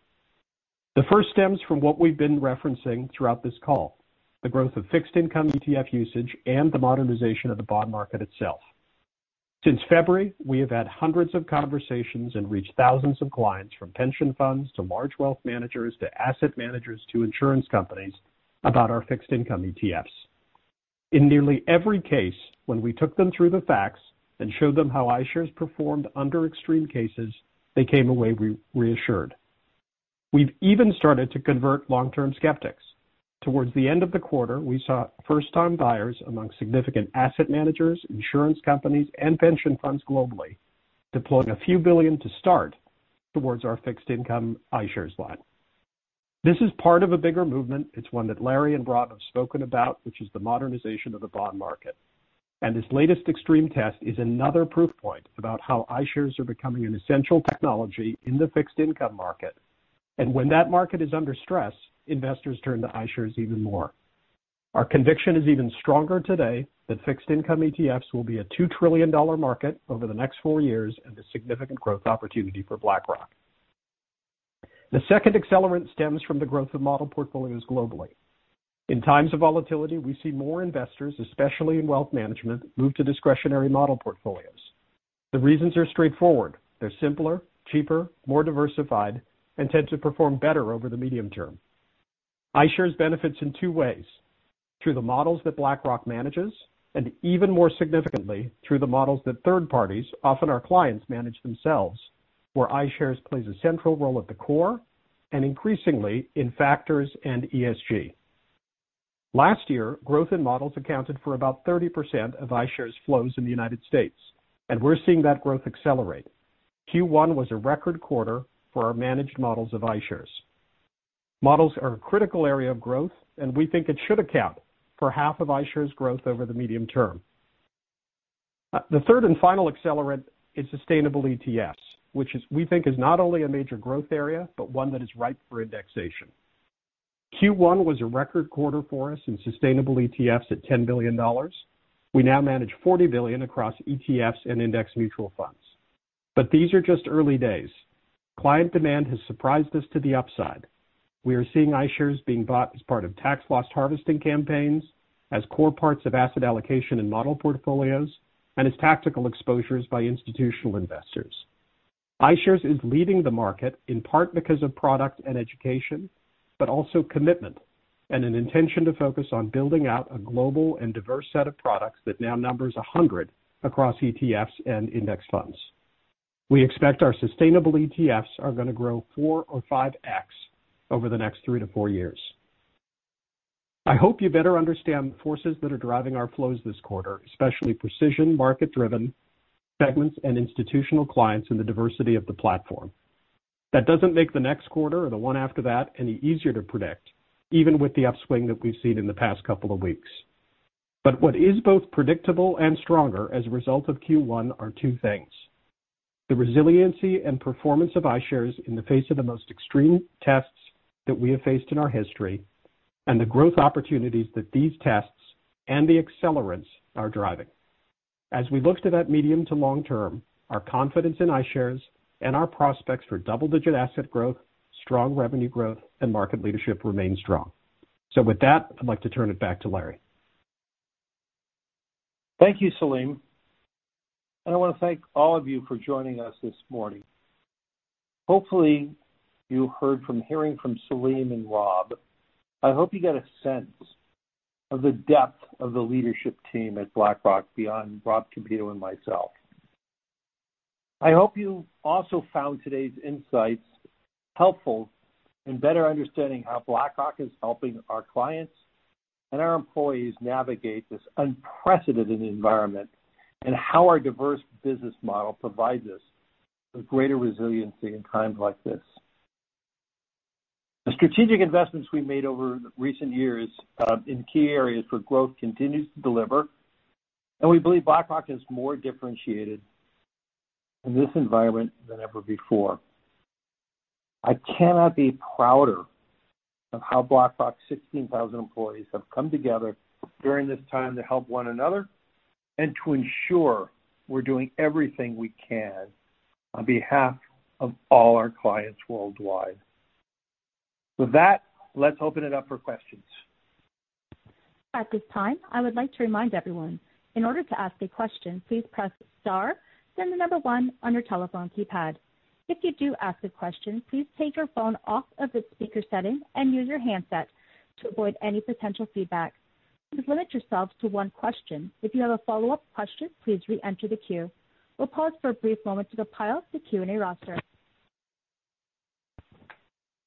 The first stems from what we've been referencing throughout this call, the growth of fixed income ETF usage and the modernization of the bond market itself. Since February, we have had hundreds of conversations and reached thousands of clients, from pension funds to large wealth managers, to asset managers, to insurance companies, about our fixed income ETFs. In nearly every case, when we took them through the facts and showed them how iShares performed under extreme cases, they came away reassured. We've even started to convert long-term skeptics. Towards the end of the quarter, we saw first-time buyers among significant asset managers, insurance companies, and pension funds globally, deploying a few billion to start towards our fixed income iShares line. This is part of a bigger movement. It's one that Larry and Rob have spoken about, which is the modernization of the bond market. This latest extreme test is another proof point about how iShares are becoming an essential technology in the fixed income market. When that market is under stress, investors turn to iShares even more. Our conviction is even stronger today that fixed income ETFs will be a $2 trillion market over the next four years and a significant growth opportunity for BlackRock. The second accelerant stems from the growth of model portfolios globally. In times of volatility, we see more investors, especially in wealth management, move to discretionary model portfolios. The reasons are straightforward. They're simpler, cheaper, more diversified, and tend to perform better over the medium term. iShares benefits in two ways: through the models that BlackRock manages, and even more significantly, through the models that third parties, often our clients, manage themselves, where iShares plays a central role at the core, and increasingly in factors and ESG. Last year, growth in models accounted for about 30% of iShares flows in the United States, and we're seeing that growth accelerate. Q1 was a record quarter for our managed models of iShares. Models are a critical area of growth, and we think it should account for half of iShares growth over the medium term. The third and final accelerant is sustainable ETFs, which we think is not only a major growth area, but one that is ripe for indexation. Q1 was a record quarter for us in sustainable ETFs at $10 billion. We now manage $40 billion across ETFs and index mutual funds. These are just early days. Client demand has surprised us to the upside. We are seeing iShares being bought as part of tax-loss harvesting campaigns, as core parts of asset allocation and model portfolios, and as tactical exposures by institutional investors. iShares is leading the market, in part because of product and education, but also commitment and an intention to focus on building out a global and diverse set of products that now numbers 100 across ETFs and index funds. We expect our sustainable ETFs are going to grow 4x or 5x over the next 3-4 years. I hope you better understand the forces that are driving our flows this quarter, especially precision, market-driven segments and institutional clients in the diversity of the platform. That doesn't make the next quarter or the one after that any easier to predict, even with the upswing that we've seen in the past couple of weeks. What is both predictable and stronger as a result of Q1 are two things: the resiliency and performance of iShares in the face of the most extreme tests that we have faced in our history, and the growth opportunities that these tests and the accelerants are driving. As we look to that medium to long term, our confidence in iShares and our prospects for double-digit asset growth, strong revenue growth, and market leadership remains strong. With that, I'd like to turn it back to Larry. Thank you, Salim. I want to thank all of you for joining us this morning. Hopefully, you heard from hearing from Salim and Rob, I hope you get a sense of the depth of the leadership team at BlackRock beyond Rob Kapito and myself. I hope you also found today's insights helpful in better understanding how BlackRock is helping our clients and our employees navigate this unprecedented environment and how our diverse business model provides us with greater resiliency in times like this. The strategic investments we made over recent years in key areas for growth continues to deliver, and we believe BlackRock is more differentiated in this environment than ever before. I cannot be prouder of how BlackRock's 16,000 employees have come together during this time to help one another and to ensure we're doing everything we can on behalf of all our clients worldwide. With that, let's open it up for questions. At this time, I would like to remind everyone, in order to ask a question, please press star, then the number one on your telephone keypad. If you do ask a question, please take your phone off of the speaker setting and use your handset to avoid any potential feedback. Please limit yourselves to one question. If you have a follow-up question, please re-enter the queue. We'll pause for a brief moment to compile the Q&A roster.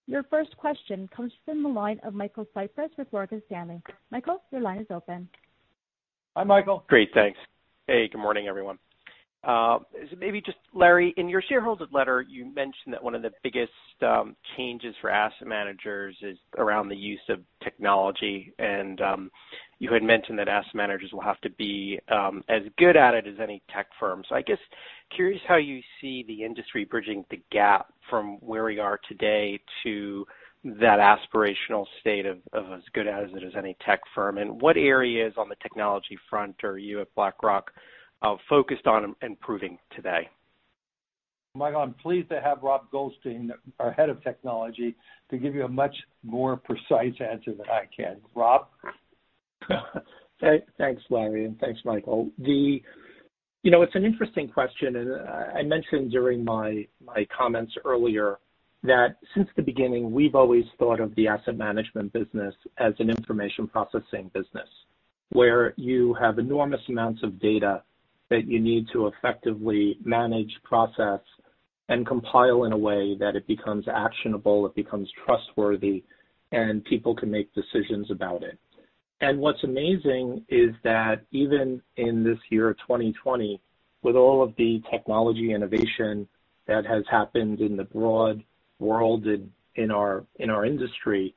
Your first question comes from the line of Michael Cyprys with Morgan Stanley. Michael, your line is open. Hi, Michael. Great, thanks. Hey, good morning, everyone. maybe just Larry, in your shareholder's letter, you mentioned that one of the biggest, changes for asset managers is around the use of technology and, you had mentioned that asset managers will have to be, as good at it as any tech firm. I guess, curious how you see the industry bridging the gap from where we are today to that aspirational state of as good at it as any tech firm. What areas on the technology front are you at BlackRock, focused on improving today? Michael, I'm pleased to have Rob Goldstein, our head of technology, to give you a much more precise answer than I can. Rob? Thanks, Larry, and thanks, Michael. It's an interesting question, and I mentioned during my comments earlier that since the beginning, we've always thought of the asset management business as an information processing business, where you have enormous amounts of data that you need to effectively manage, process, and compile in a way that it becomes actionable, it becomes trustworthy, and people can make decisions about it. What's amazing is that even in this year of 2020, with all of the technology innovation that has happened in the broad world in our industry,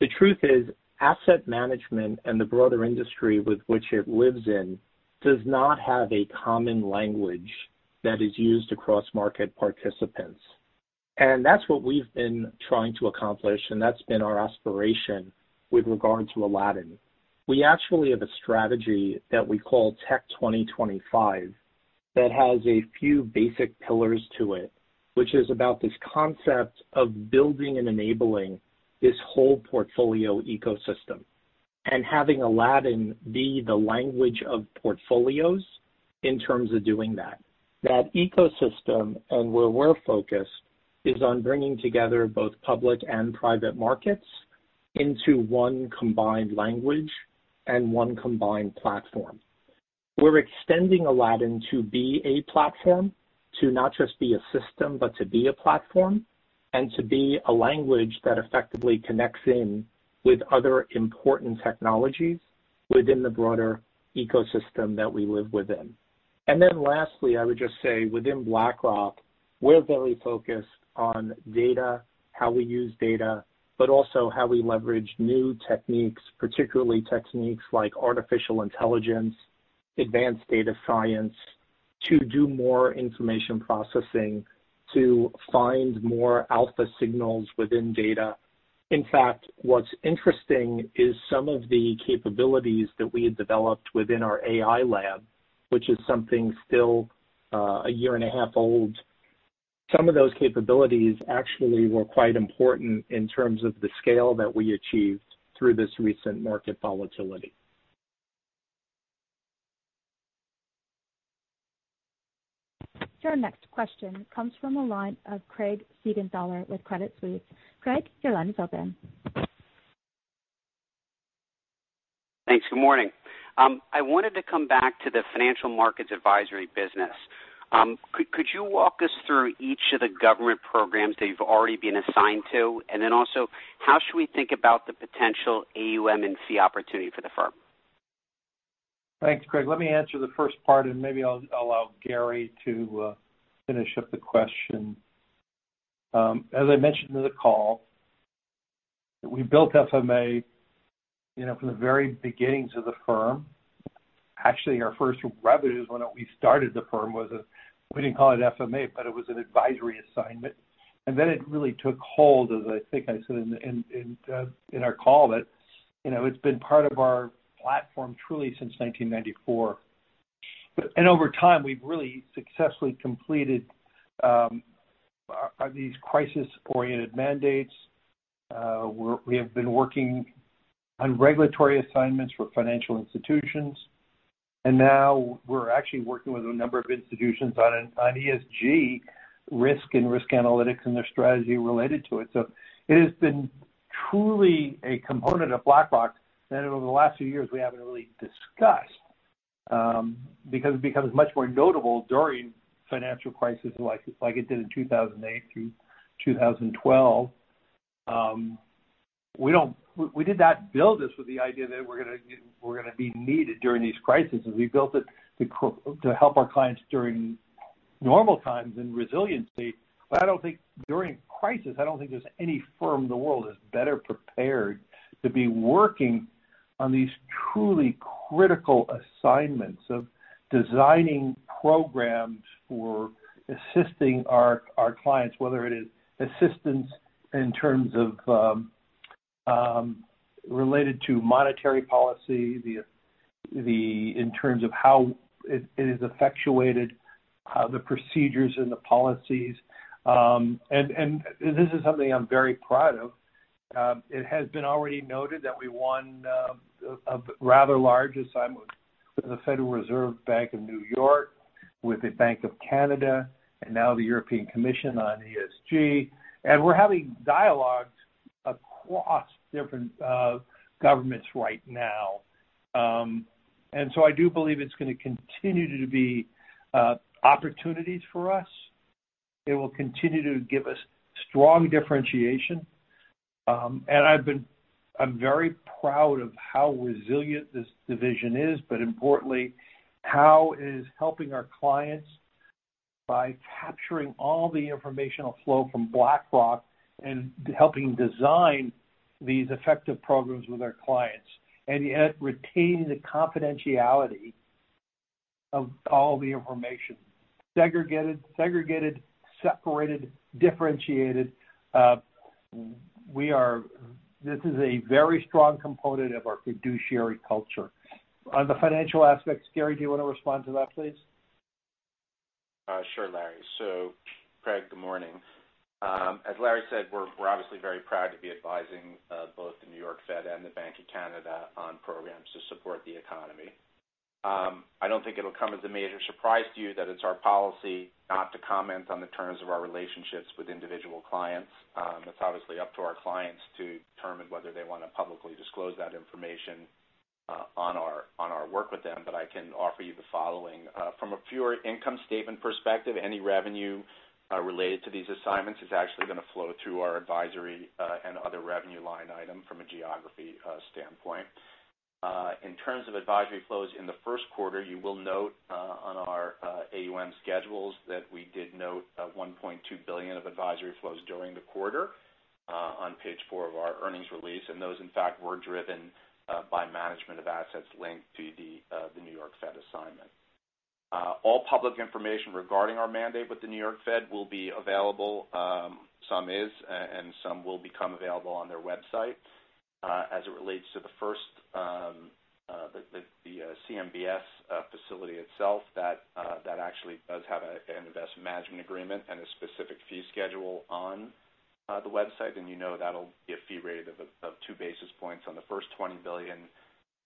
the truth is asset management and the broader industry with which it lives in does not have a common language that is used across market participants. That's what we've been trying to accomplish, and that's been our aspiration with regard to Aladdin. We actually have a strategy that we call Tech 2025 that has a few basic pillars to it, which is about this concept of building and enabling this whole portfolio ecosystem and having Aladdin be the language of portfolios in terms of doing that. That ecosystem and where we're focused is on bringing together both public and private markets into one combined language and one combined platform. We're extending Aladdin to be a platform, to not just be a system, but to be a platform and to be a language that effectively connects in with other important technologies within the broader ecosystem that we live within. Lastly, I would just say within BlackRock, we're very focused on data, how we use data, but also how we leverage new techniques, particularly techniques like artificial intelligence, advanced data science, to do more information processing, to find more alpha signals within data. In fact, what's interesting is some of the capabilities that we had developed within our AI Labs, which is something still a year and a half old. Some of those capabilities actually were quite important in terms of the scale that we achieved through this recent market volatility. Your next question comes from the line of Craig Siegenthaler with Credit Suisse. Craig, your line is open. Thanks. Good morning. I wanted to come back to the Financial Markets Advisory business. Could you walk us through each of the government programs that you've already been assigned to? How should we think about the potential AUM and fee opportunity for the firm? Thanks, Craig. Let me answer the first part, and maybe I'll allow Gary to finish up the question. As I mentioned in the call, we built FMA, you know, from the very beginnings of the firm. Actually, our first revenues when we started the firm was a, we didn't call it FMA, but it was an advisory assignment. Then it really took hold, as I think I said in our call that, you know, it's been part of our platform truly since 1994. Over time, we've really successfully completed these crisis-oriented mandates. We have been working on regulatory assignments for financial institutions, and now we're actually working with a number of institutions on ESG risk and risk analytics and their strategy related to it. It has been truly a component of BlackRock that over the last few years we haven't really discussed. It becomes much more notable during financial crisis like it did in 2008 through 2012. We did not build this with the idea that we're going to be needed during these crises. We built it to help our clients during normal times and resiliency. I don't think during crisis, I don't think there's any firm in the world that's better prepared to be working on these truly critical assignments of designing programs for assisting our clients, whether it is assistance in terms of related to monetary policy, in terms of how it is effectuated, the procedures and the policies. This is something I'm very proud of. It has been already noted that we won a rather large assignment with the Federal Reserve Bank of New York, with the Bank of Canada, and now the European Commission on ESG. We're having dialogues across different governments right now. I do believe it's going to continue to be opportunities for us. It will continue to give us strong differentiation. I'm very proud of how resilient this division is, but importantly, how it is helping our clients by capturing all the informational flow from BlackRock and helping design these effective programs with our clients, and yet retaining the confidentiality of all the information. Segregated, separated, differentiated. This is a very strong component of our fiduciary culture. On the financial aspects, Gary, do you want to respond to that, please? Sure, Larry. Craig, good morning. As Larry said, we're obviously very proud to be advising both the New York Fed and the Bank of Canada on programs to support the economy. I don't think it'll come as a major surprise to you that it's our policy not to comment on the terms of our relationships with individual clients. It's obviously up to our clients to determine whether they want to publicly disclose that information on our work with them, but I can offer you the following. From a pure income statement perspective, any revenue related to these assignments is actually going to flow through our advisory and other revenue line item from a geography standpoint. In terms of advisory flows in the first quarter, you will note on our AUM schedules that we did note $1.2 billion of advisory flows during the quarter on page four of our earnings release. Those, in fact, were driven by management of assets linked to the New York Fed assignment. All public information regarding our mandate with the New York Fed will be available. Some is, and some will become available on their website. As it relates to the CMBS facility itself, that actually does have an investment management agreement and a specific fee schedule on the website. You know that'll be a fee rate of two basis points on the first $20 billion,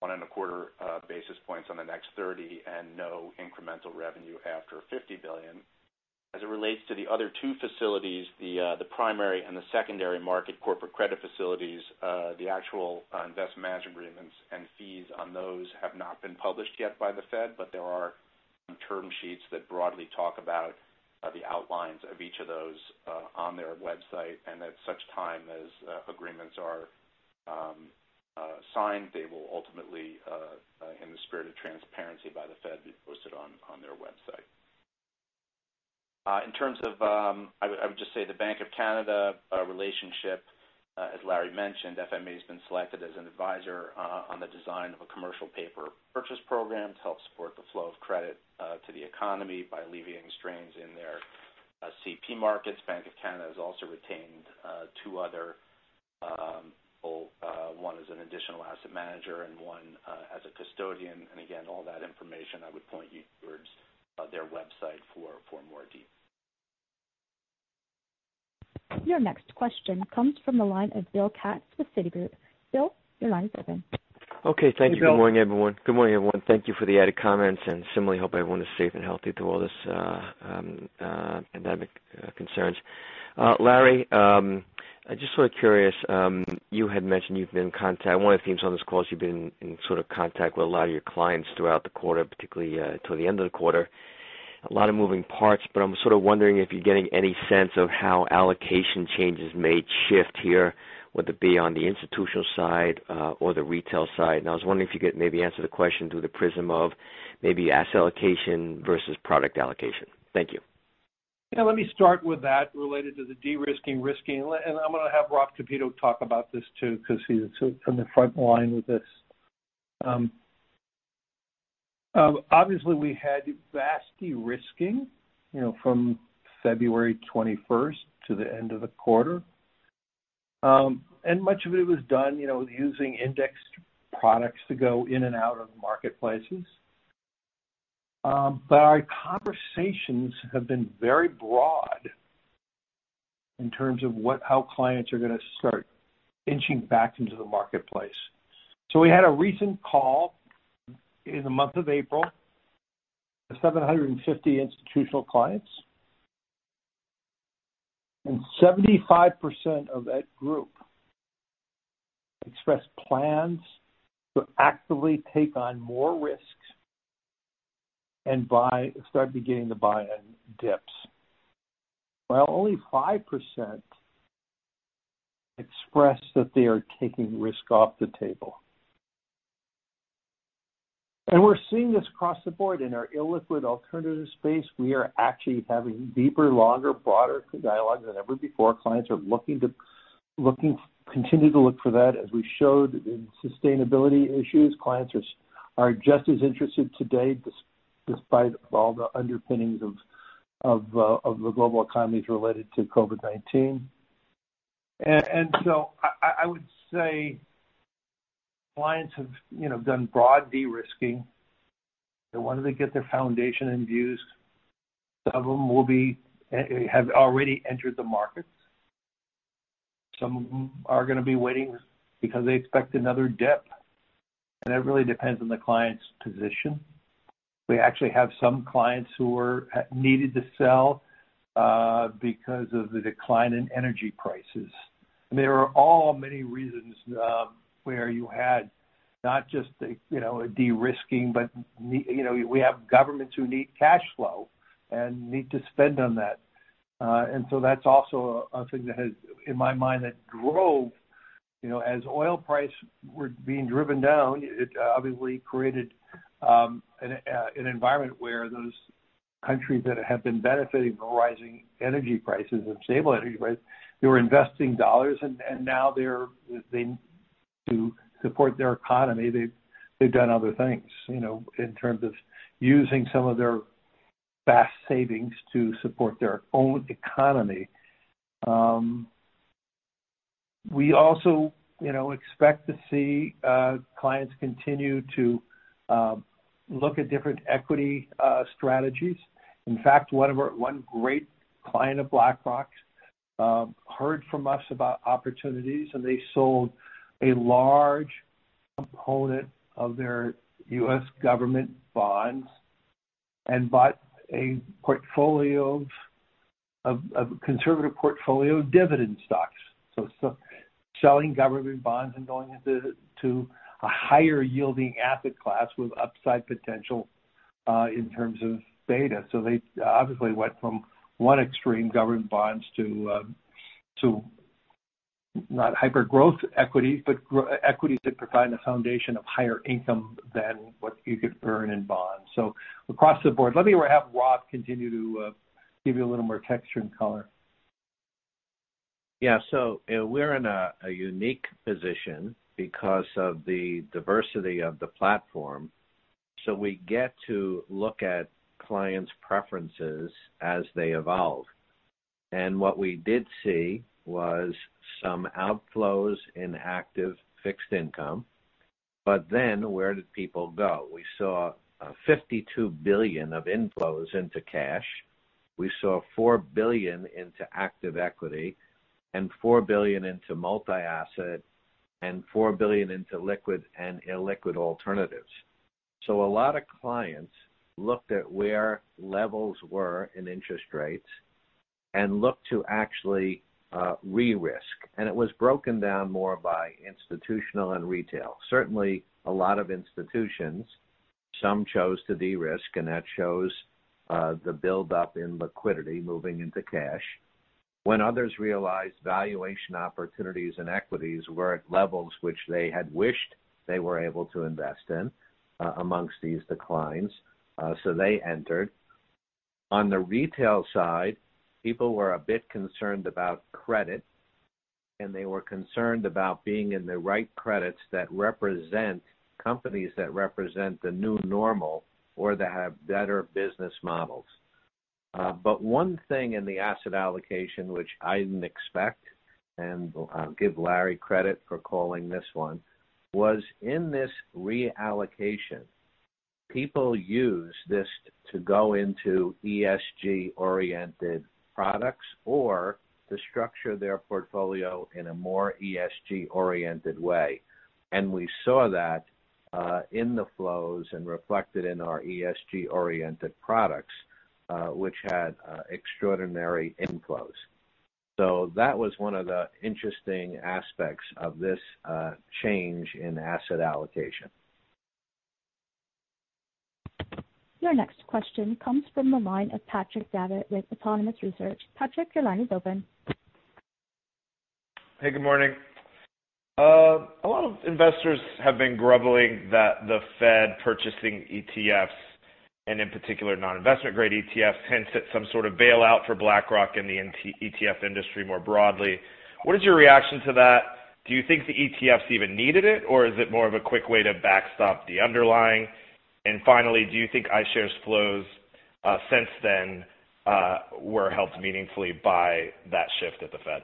one and a quarter basis points on the next $30 billion, and no incremental revenue after $50 billion. As it relates to the other two facilities, the primary and the secondary market corporate credit facilities, the actual investment management agreements and fees on those have not been published yet by the Fed, but there are term sheets that broadly talk about the outlines of each of those on their website. At such time as agreements are signed, they will ultimately, in the spirit of transparency by the Fed, be posted on their website. I would just say the Bank of Canada relationship, as Larry mentioned, FMA has been selected as an advisor on the design of a commercial paper purchase program to help support the flow of credit to the economy by alleviating strains in their CP markets. Bank of Canada has also retained two other people. One is an additional asset manager and one as a custodian. Again, all that information, I would point you towards their website for more detail. Your next question comes from the line of Bill Katz with Citigroup. Bill, your line is open. Okay. Thank you. Hey, Bill. Good morning, everyone. Thank you for the added comments. Similarly, hope everyone is safe and healthy through all this pandemic concerns. Larry, just sort of curious. You had mentioned you've been in contact. One of the themes on this call is you've been in sort of contact with a lot of your clients throughout the quarter, particularly toward the end of the quarter. A lot of moving parts. I'm sort of wondering if you're getting any sense of how allocation changes may shift here, whether it be on the institutional side or the retail side. I was wondering if you could maybe answer the question through the prism of maybe asset allocation versus product allocation. Thank you. Yeah, let me start with that related to the de-risking/risking. I'm going to have Rob Kapito talk about this too, because he's on the front line with this. Obviously, we had vast de-risking from February 21st to the end of the quarter. Much of it was done using indexed products to go in and out of marketplaces. Our conversations have been very broad in terms of how clients are going to start inching back into the marketplace. We had a recent call in the month of April, 750 institutional clients. 75% of that group expressed plans to actively take on more risks and start beginning to buy in dips, while only 5% expressed that they are taking risk off the table. We're seeing this across the board in our illiquid alternative space. We are actually having deeper, longer, broader dialogues than ever before. Clients continue to look for that. As we showed in sustainability issues, clients are just as interested today, despite all the underpinnings of the global economies related to COVID-19. I would say clients have done broad de-risking. They wanted to get their foundation and views. Some of them have already entered the markets. Some of them are going to be waiting because they expect another dip. That really depends on the client's position. We actually have some clients who needed to sell because of the decline in energy prices. There are all many reasons where you had not just a de-risking, but we have governments who need cash flow and need to spend on that. That's also a thing that has, in my mind, that drove, as oil price were being driven down, it obviously created an environment where those countries that have been benefiting from rising energy prices and stable energy prices, they were investing dollars, and now to support their economy, they've done other things, in terms of using some of their vast savings to support their own economy. We also expect to see clients continue to look at different equity strategies. In fact, one great client of BlackRock's heard from us about opportunities, and they sold a large component of their U.S. government bonds and bought a conservative portfolio of dividend stocks. Selling government bonds and going into a higher yielding asset class with upside potential in terms of beta. They obviously went from one extreme, government bonds, to not hyper-growth equity, but equity to provide a foundation of higher income than what you could earn in bonds. Across the board. Let me have Rob continue to give you a little more texture and color. Yeah. We're in a unique position because of the diversity of the platform. We get to look at client's preferences as they evolve. What we did see was some outflows in active fixed income. Where did people go? We saw $52 billion of inflows into cash. We saw $4 billion into active equity, and $4 billion into multi-asset, and $4 billion into liquid and illiquid alternatives. A lot of clients looked at where levels were in interest rates and looked to actually re-risk. It was broken down more by institutional and retail. Certainly, a lot of institutions, some chose to de-risk, and that shows the build-up in liquidity moving into cash. When others realized valuation opportunities and equities were at levels which they had wished they were able to invest in amongst these declines, so they entered. On the retail side, people were a bit concerned about credit, and they were concerned about being in the right credits that represent companies that represent the new normal or that have better business models. One thing in the asset allocation, which I didn't expect, and I'll give Larry credit for calling this one, was in this reallocation, people use this to go into ESG-oriented products or to structure their portfolio in a more ESG-oriented way. We saw that in the flows and reflected in our ESG-oriented products, which had extraordinary inflows. That was one of the interesting aspects of this change in asset allocation. Your next question comes from the line of Patrick Davitt with Autonomous Research. Patrick, your line is open. Hey, good morning. A lot of investors have been grumbling that the Fed purchasing ETFs, and in particular, non-investment-grade ETFs, hints at some sort of bailout for BlackRock and the ETF industry more broadly. What is your reaction to that? Do you think the ETFs even needed it, or is it more of a quick way to backstop the underlying? Finally, do you think iShares flows since then were helped meaningfully by that shift at the Fed?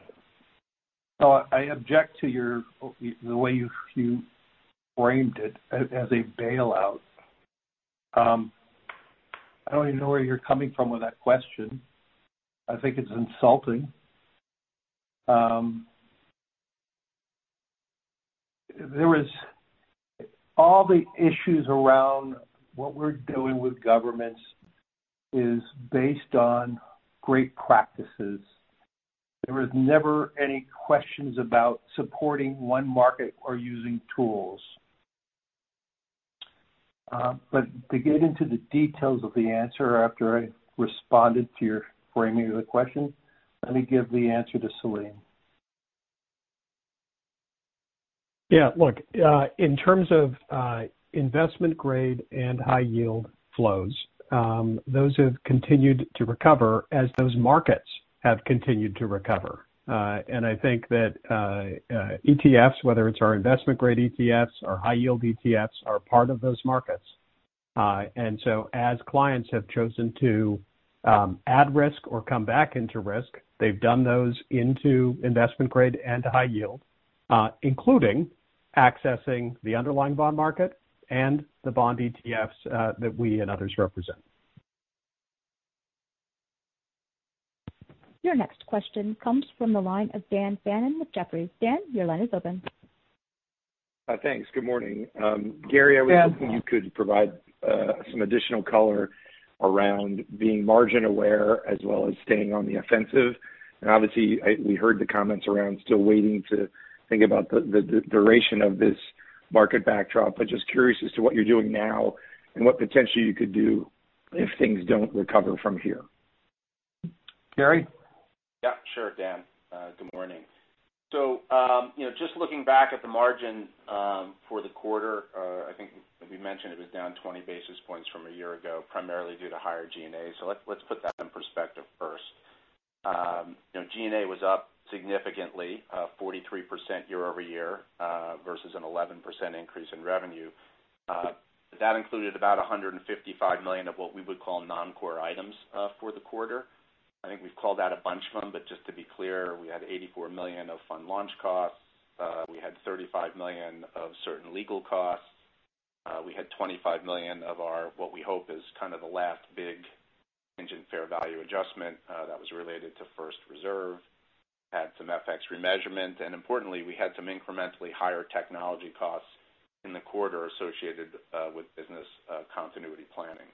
I object to the way you framed it as a bailout. I don't even know where you're coming from with that question. I think it's insulting. There was all the issues around what we're doing with governments is based on great practices. There was never any questions about supporting one market or using tools. To get into the details of the answer after I responded to your framing of the question, let me give the answer to Salim. Yeah. Look, in terms of investment grade and high yield flows, those have continued to recover as those markets have continued to recover. I think that ETFs, whether it's our investment grade ETFs or high yield ETFs, are part of those markets. As clients have chosen to add risk or come back into risk, they've done those into investment grade and high yield, including accessing the underlying bond market and the bond ETFs that we and others represent. Your next question comes from the line of Dan Fannon with Jefferies. Dan, your line is open. Thanks. Good morning. Gary- Dan I was hoping you could provide some additional color around being margin aware as well as staying on the offensive. Obviously, we heard the comments around still waiting to think about the duration of this market backdrop, but just curious as to what you're doing now and what potentially you could do if things don't recover from here. Gary? Sure, Dan. Good morning. Just looking back at the margin for the quarter, I think we mentioned it was down 20 basis points from a year ago, primarily due to higher G&A. Let's put that in perspective first. G&A was up significantly, 43% year-over-year, versus an 11% increase in revenue. That included about $155 million of what we would call non-core items for the quarter. I think we've called that a bunch, but just to be clear, we had $84 million of fund launch costs. We had $35 million of certain legal costs. We had $25 million of our, what we hope is kind of the last big contingent fair value adjustment that was related to First Reserve. Had some FX remeasurement, and importantly, we had some incrementally higher technology costs in the quarter associated with business continuity planning.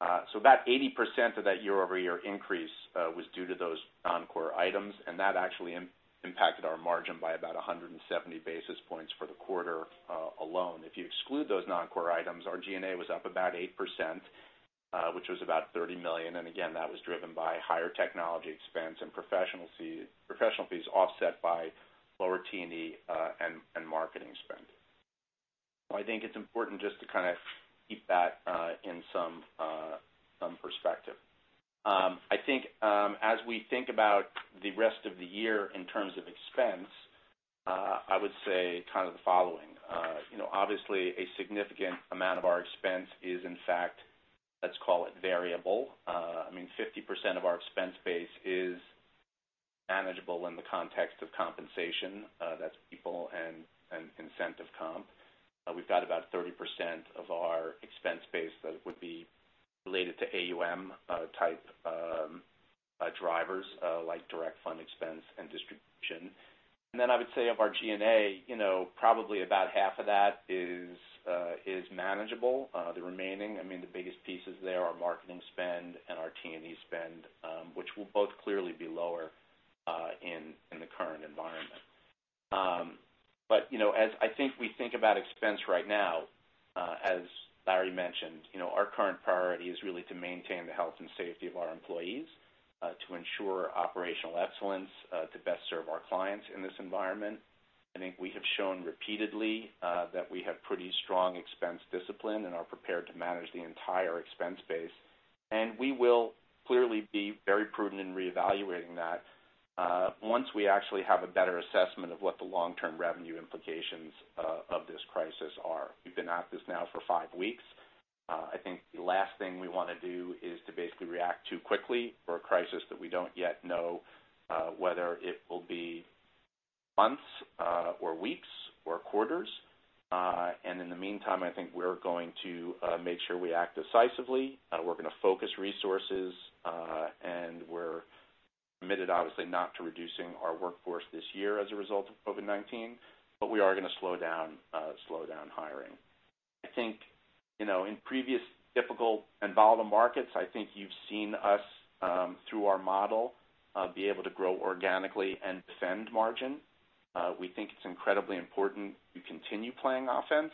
About 80% of that year-over-year increase was due to those non-core items, and that actually impacted our margin by about 170 basis points for the quarter alone. If you exclude those non-core items, our G&A was up about 8%, which was about $30 million, and again, that was driven by higher technology expense and professional fees offset by lower T&E and marketing spend. I think it's important just to kind of keep that in some perspective. I think as we think about the rest of the year in terms of expense, I would say kind of the following. Obviously, a significant amount of our expense is, in fact, let's call it variable. I mean, 50% of our expense base is manageable in the context of compensation. That's people and incentive comp. We've got about 30% of our expense base that would be related to AUM type drivers, like direct fund expense and distribution. Then I would say of our G&A, probably about half of that is manageable. The remaining, I mean, the biggest pieces there are marketing spend and our T&E spend, which will both clearly be lower in the current environment. As I think we think about expense right now, as Larry mentioned, our current priority is really to maintain the health and safety of our employees, to ensure operational excellence to best serve our clients in this environment. I think we have shown repeatedly that we have pretty strong expense discipline and are prepared to manage the entire expense base. We will clearly be very prudent in reevaluating that once we actually have a better assessment of what the long-term revenue implications of this crisis are. We've been at this now for five weeks. I think the last thing we want to do is to basically react too quickly for a crisis that we don't yet know whether it will be months or weeks or quarters. In the meantime, I think we're going to make sure we act decisively. We're going to focus resources, and we're committed, obviously, not to reducing our workforce this year as a result of COVID-19. We are going to slow down hiring. I think in previous difficult and volatile markets, I think you've seen us, through our model, be able to grow organically and defend margin. We think it's incredibly important to continue playing offense.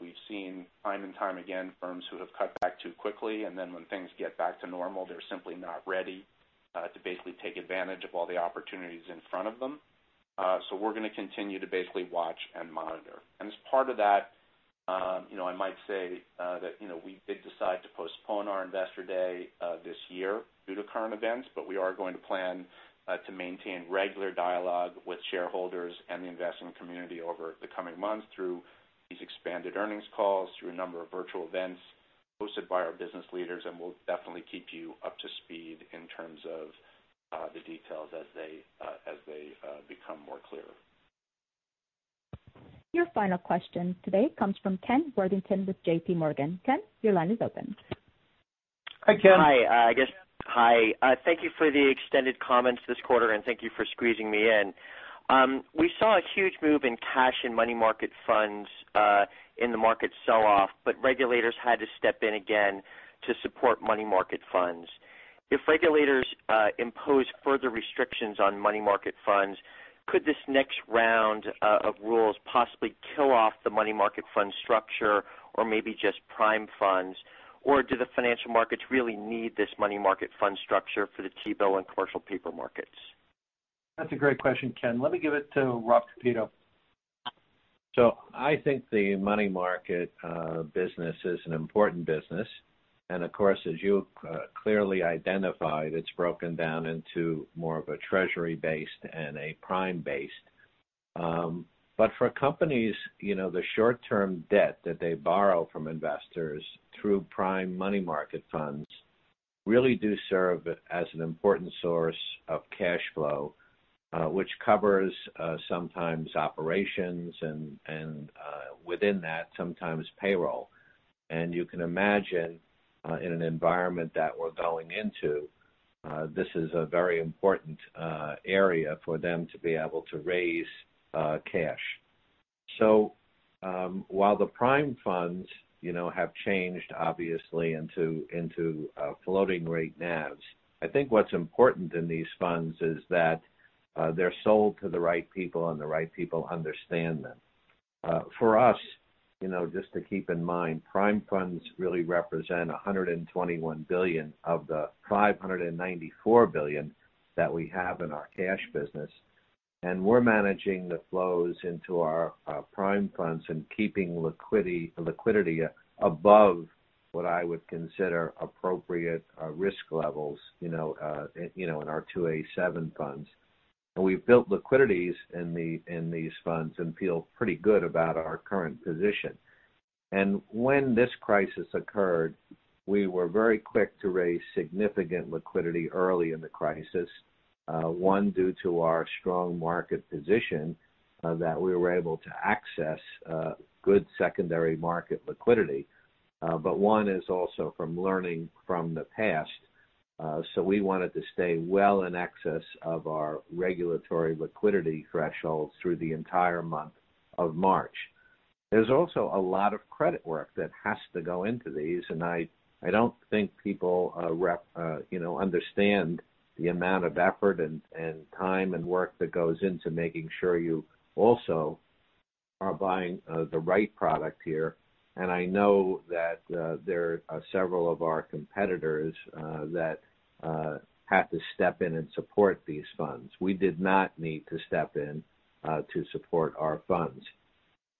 We've seen time and time again firms who have cut back too quickly, and then when things get back to normal, they're simply not ready to basically take advantage of all the opportunities in front of them. We're going to continue to basically watch and monitor. As part of that, I might say that we did decide to postpone our investor day this year due to current events, but we are going to plan to maintain regular dialogue with shareholders and the investment community over the coming months through these expanded earnings calls, through a number of virtual events hosted by our business leaders, and we'll definitely keep you up to speed in terms of the details as they become more clear. Your final question today comes from Ken Worthington with J.P. Morgan. Ken, your line is open. Hi, Ken. Hi. Thank you for the extended comments this quarter, and thank you for squeezing me in. We saw a huge move in cash and money market funds in the market sell-off, but regulators had to step in again to support money market funds. If regulators impose further restrictions on money market funds, could this next round of rules possibly kill off the money market fund structure or maybe just prime funds? Do the financial markets really need this money market fund structure for the T-bill and commercial paper markets? That's a great question, Ken. Let me give it to Rob Kapito. I think the money market business is an important business. Of course, as you clearly identified, it's broken down into more of a Treasury-based and a prime-based. For companies, the short-term debt that they borrow from investors through prime money market funds really do serve as an important source of cash flow, which covers sometimes operations and, within that, sometimes payroll. You can imagine in an environment that we're going into, this is a very important area for them to be able to raise cash. While the prime funds have changed obviously into floating rate NAVs, I think what's important in these funds is that they're sold to the right people and the right people understand them. For us, just to keep in mind, prime funds really represent $121 billion of the $594 billion that we have in our cash business. We're managing the flows into our prime funds and keeping liquidity above what I would consider appropriate risk levels in our 2a7 funds. We've built liquidities in these funds and feel pretty good about our current position. When this crisis occurred, we were very quick to raise significant liquidity early in the crisis. One, due to our strong market position that we were able to access good secondary market liquidity. One is also from learning from the past. We wanted to stay well in excess of our regulatory liquidity thresholds through the entire month of March. There's also a lot of credit work that has to go into these, and I don't think people understand the amount of effort and time and work that goes into making sure you also are buying the right product here. I know that there are several of our competitors that had to step in and support these funds. We did not need to step in to support our funds.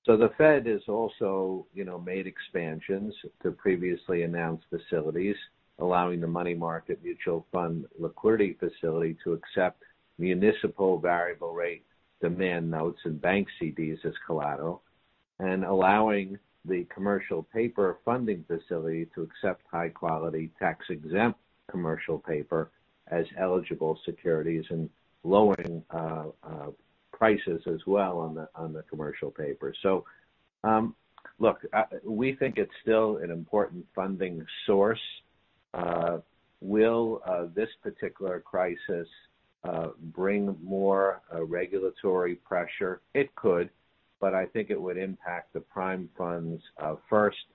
The Fed has also made expansions to previously announced facilities, allowing the Money Market Mutual Fund Liquidity Facility to accept municipal variable rate demand notes and bank CDs as collateral, and allowing the Commercial Paper Funding Facility to accept high-quality tax-exempt commercial paper as eligible securities and lowering prices as well on the commercial paper. Look, we think it's still an important funding source. Will this particular crisis bring more regulatory pressure? It could, but I think it would impact the prime funds first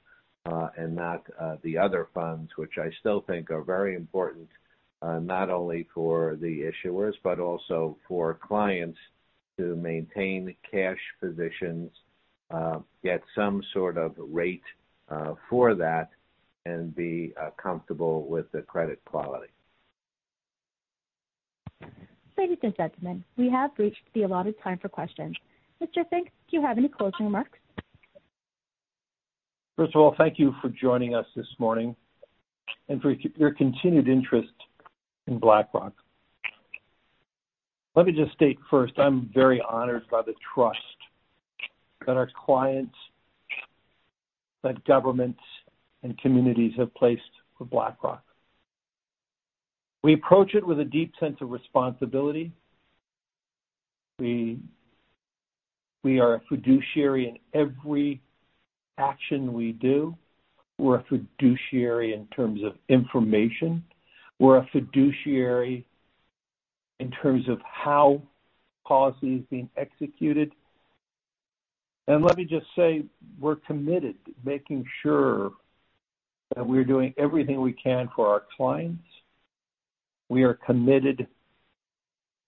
and not the other funds, which I still think are very important, not only for the issuers, but also for clients to maintain cash positions, get some sort of rate for that, and be comfortable with the credit quality. Ladies and gentlemen, we have reached the allotted time for questions. Mr. Fink, do you have any closing remarks? First of all, thank you for joining us this morning and for your continued interest in BlackRock. Let me just state first, I'm very honored by the trust that our clients, that governments and communities have placed with BlackRock. We approach it with a deep sense of responsibility. We are a fiduciary in every action we do. We're a fiduciary in terms of information. We're a fiduciary in terms of how policy is being executed. Let me just say, we're committed to making sure that we're doing everything we can for our clients. We are committed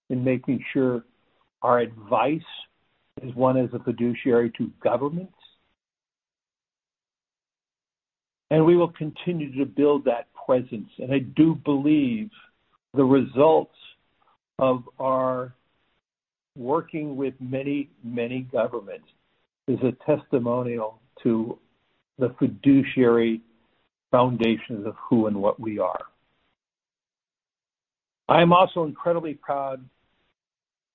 in making sure our advice is one as a fiduciary to governments. We will continue to build that presence. I do believe the results of our working with many, many governments is a testimonial to the fiduciary foundations of who and what we are. I am also incredibly proud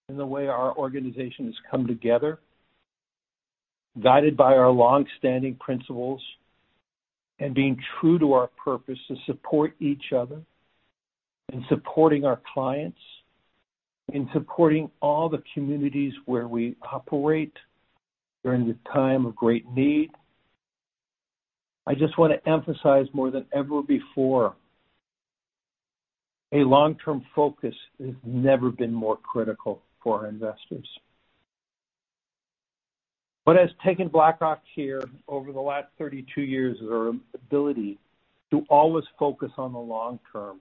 in the way our organization has come together, guided by our long-standing principles and being true to our purpose to support each other and supporting our clients. In supporting all the communities where we operate during this time of great need, I just want to emphasize more than ever before, a long-term focus has never been more critical for our investors. What has taken BlackRock here over the last 32 years is our ability to always focus on the long term.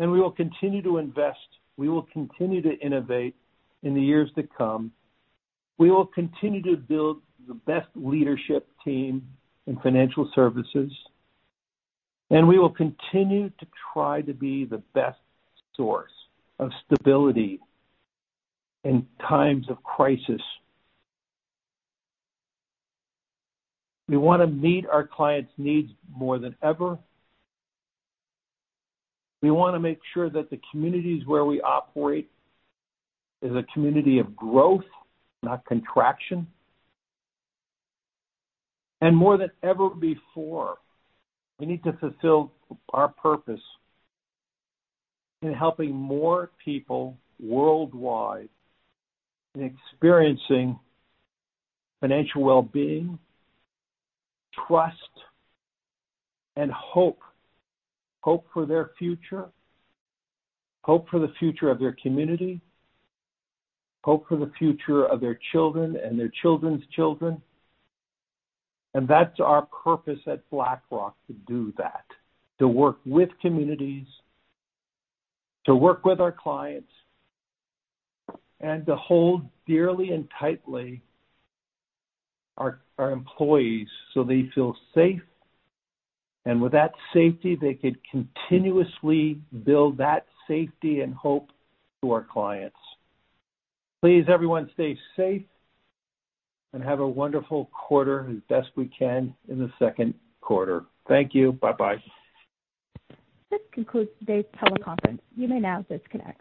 We will continue to invest, we will continue to innovate in the years to come, we will continue to build the best leadership team in financial services, and we will continue to try to be the best source of stability in times of crisis. We want to meet our clients' needs more than ever. We want to make sure that the communities where we operate is a community of growth, not contraction. More than ever before, we need to fulfill our purpose in helping more people worldwide in experiencing financial well-being, trust, and hope. Hope for their future, hope for the future of their community, hope for the future of their children and their children's children. That's our purpose at BlackRock, to do that. To work with communities, to work with our clients, and to hold dearly and tightly our employees so they feel safe, and with that safety, they could continuously build that safety and hope to our clients. Please, everyone, stay safe and have a wonderful quarter as best we can in the second quarter. Thank you. Bye-bye. This concludes today's teleconference. You may now disconnect.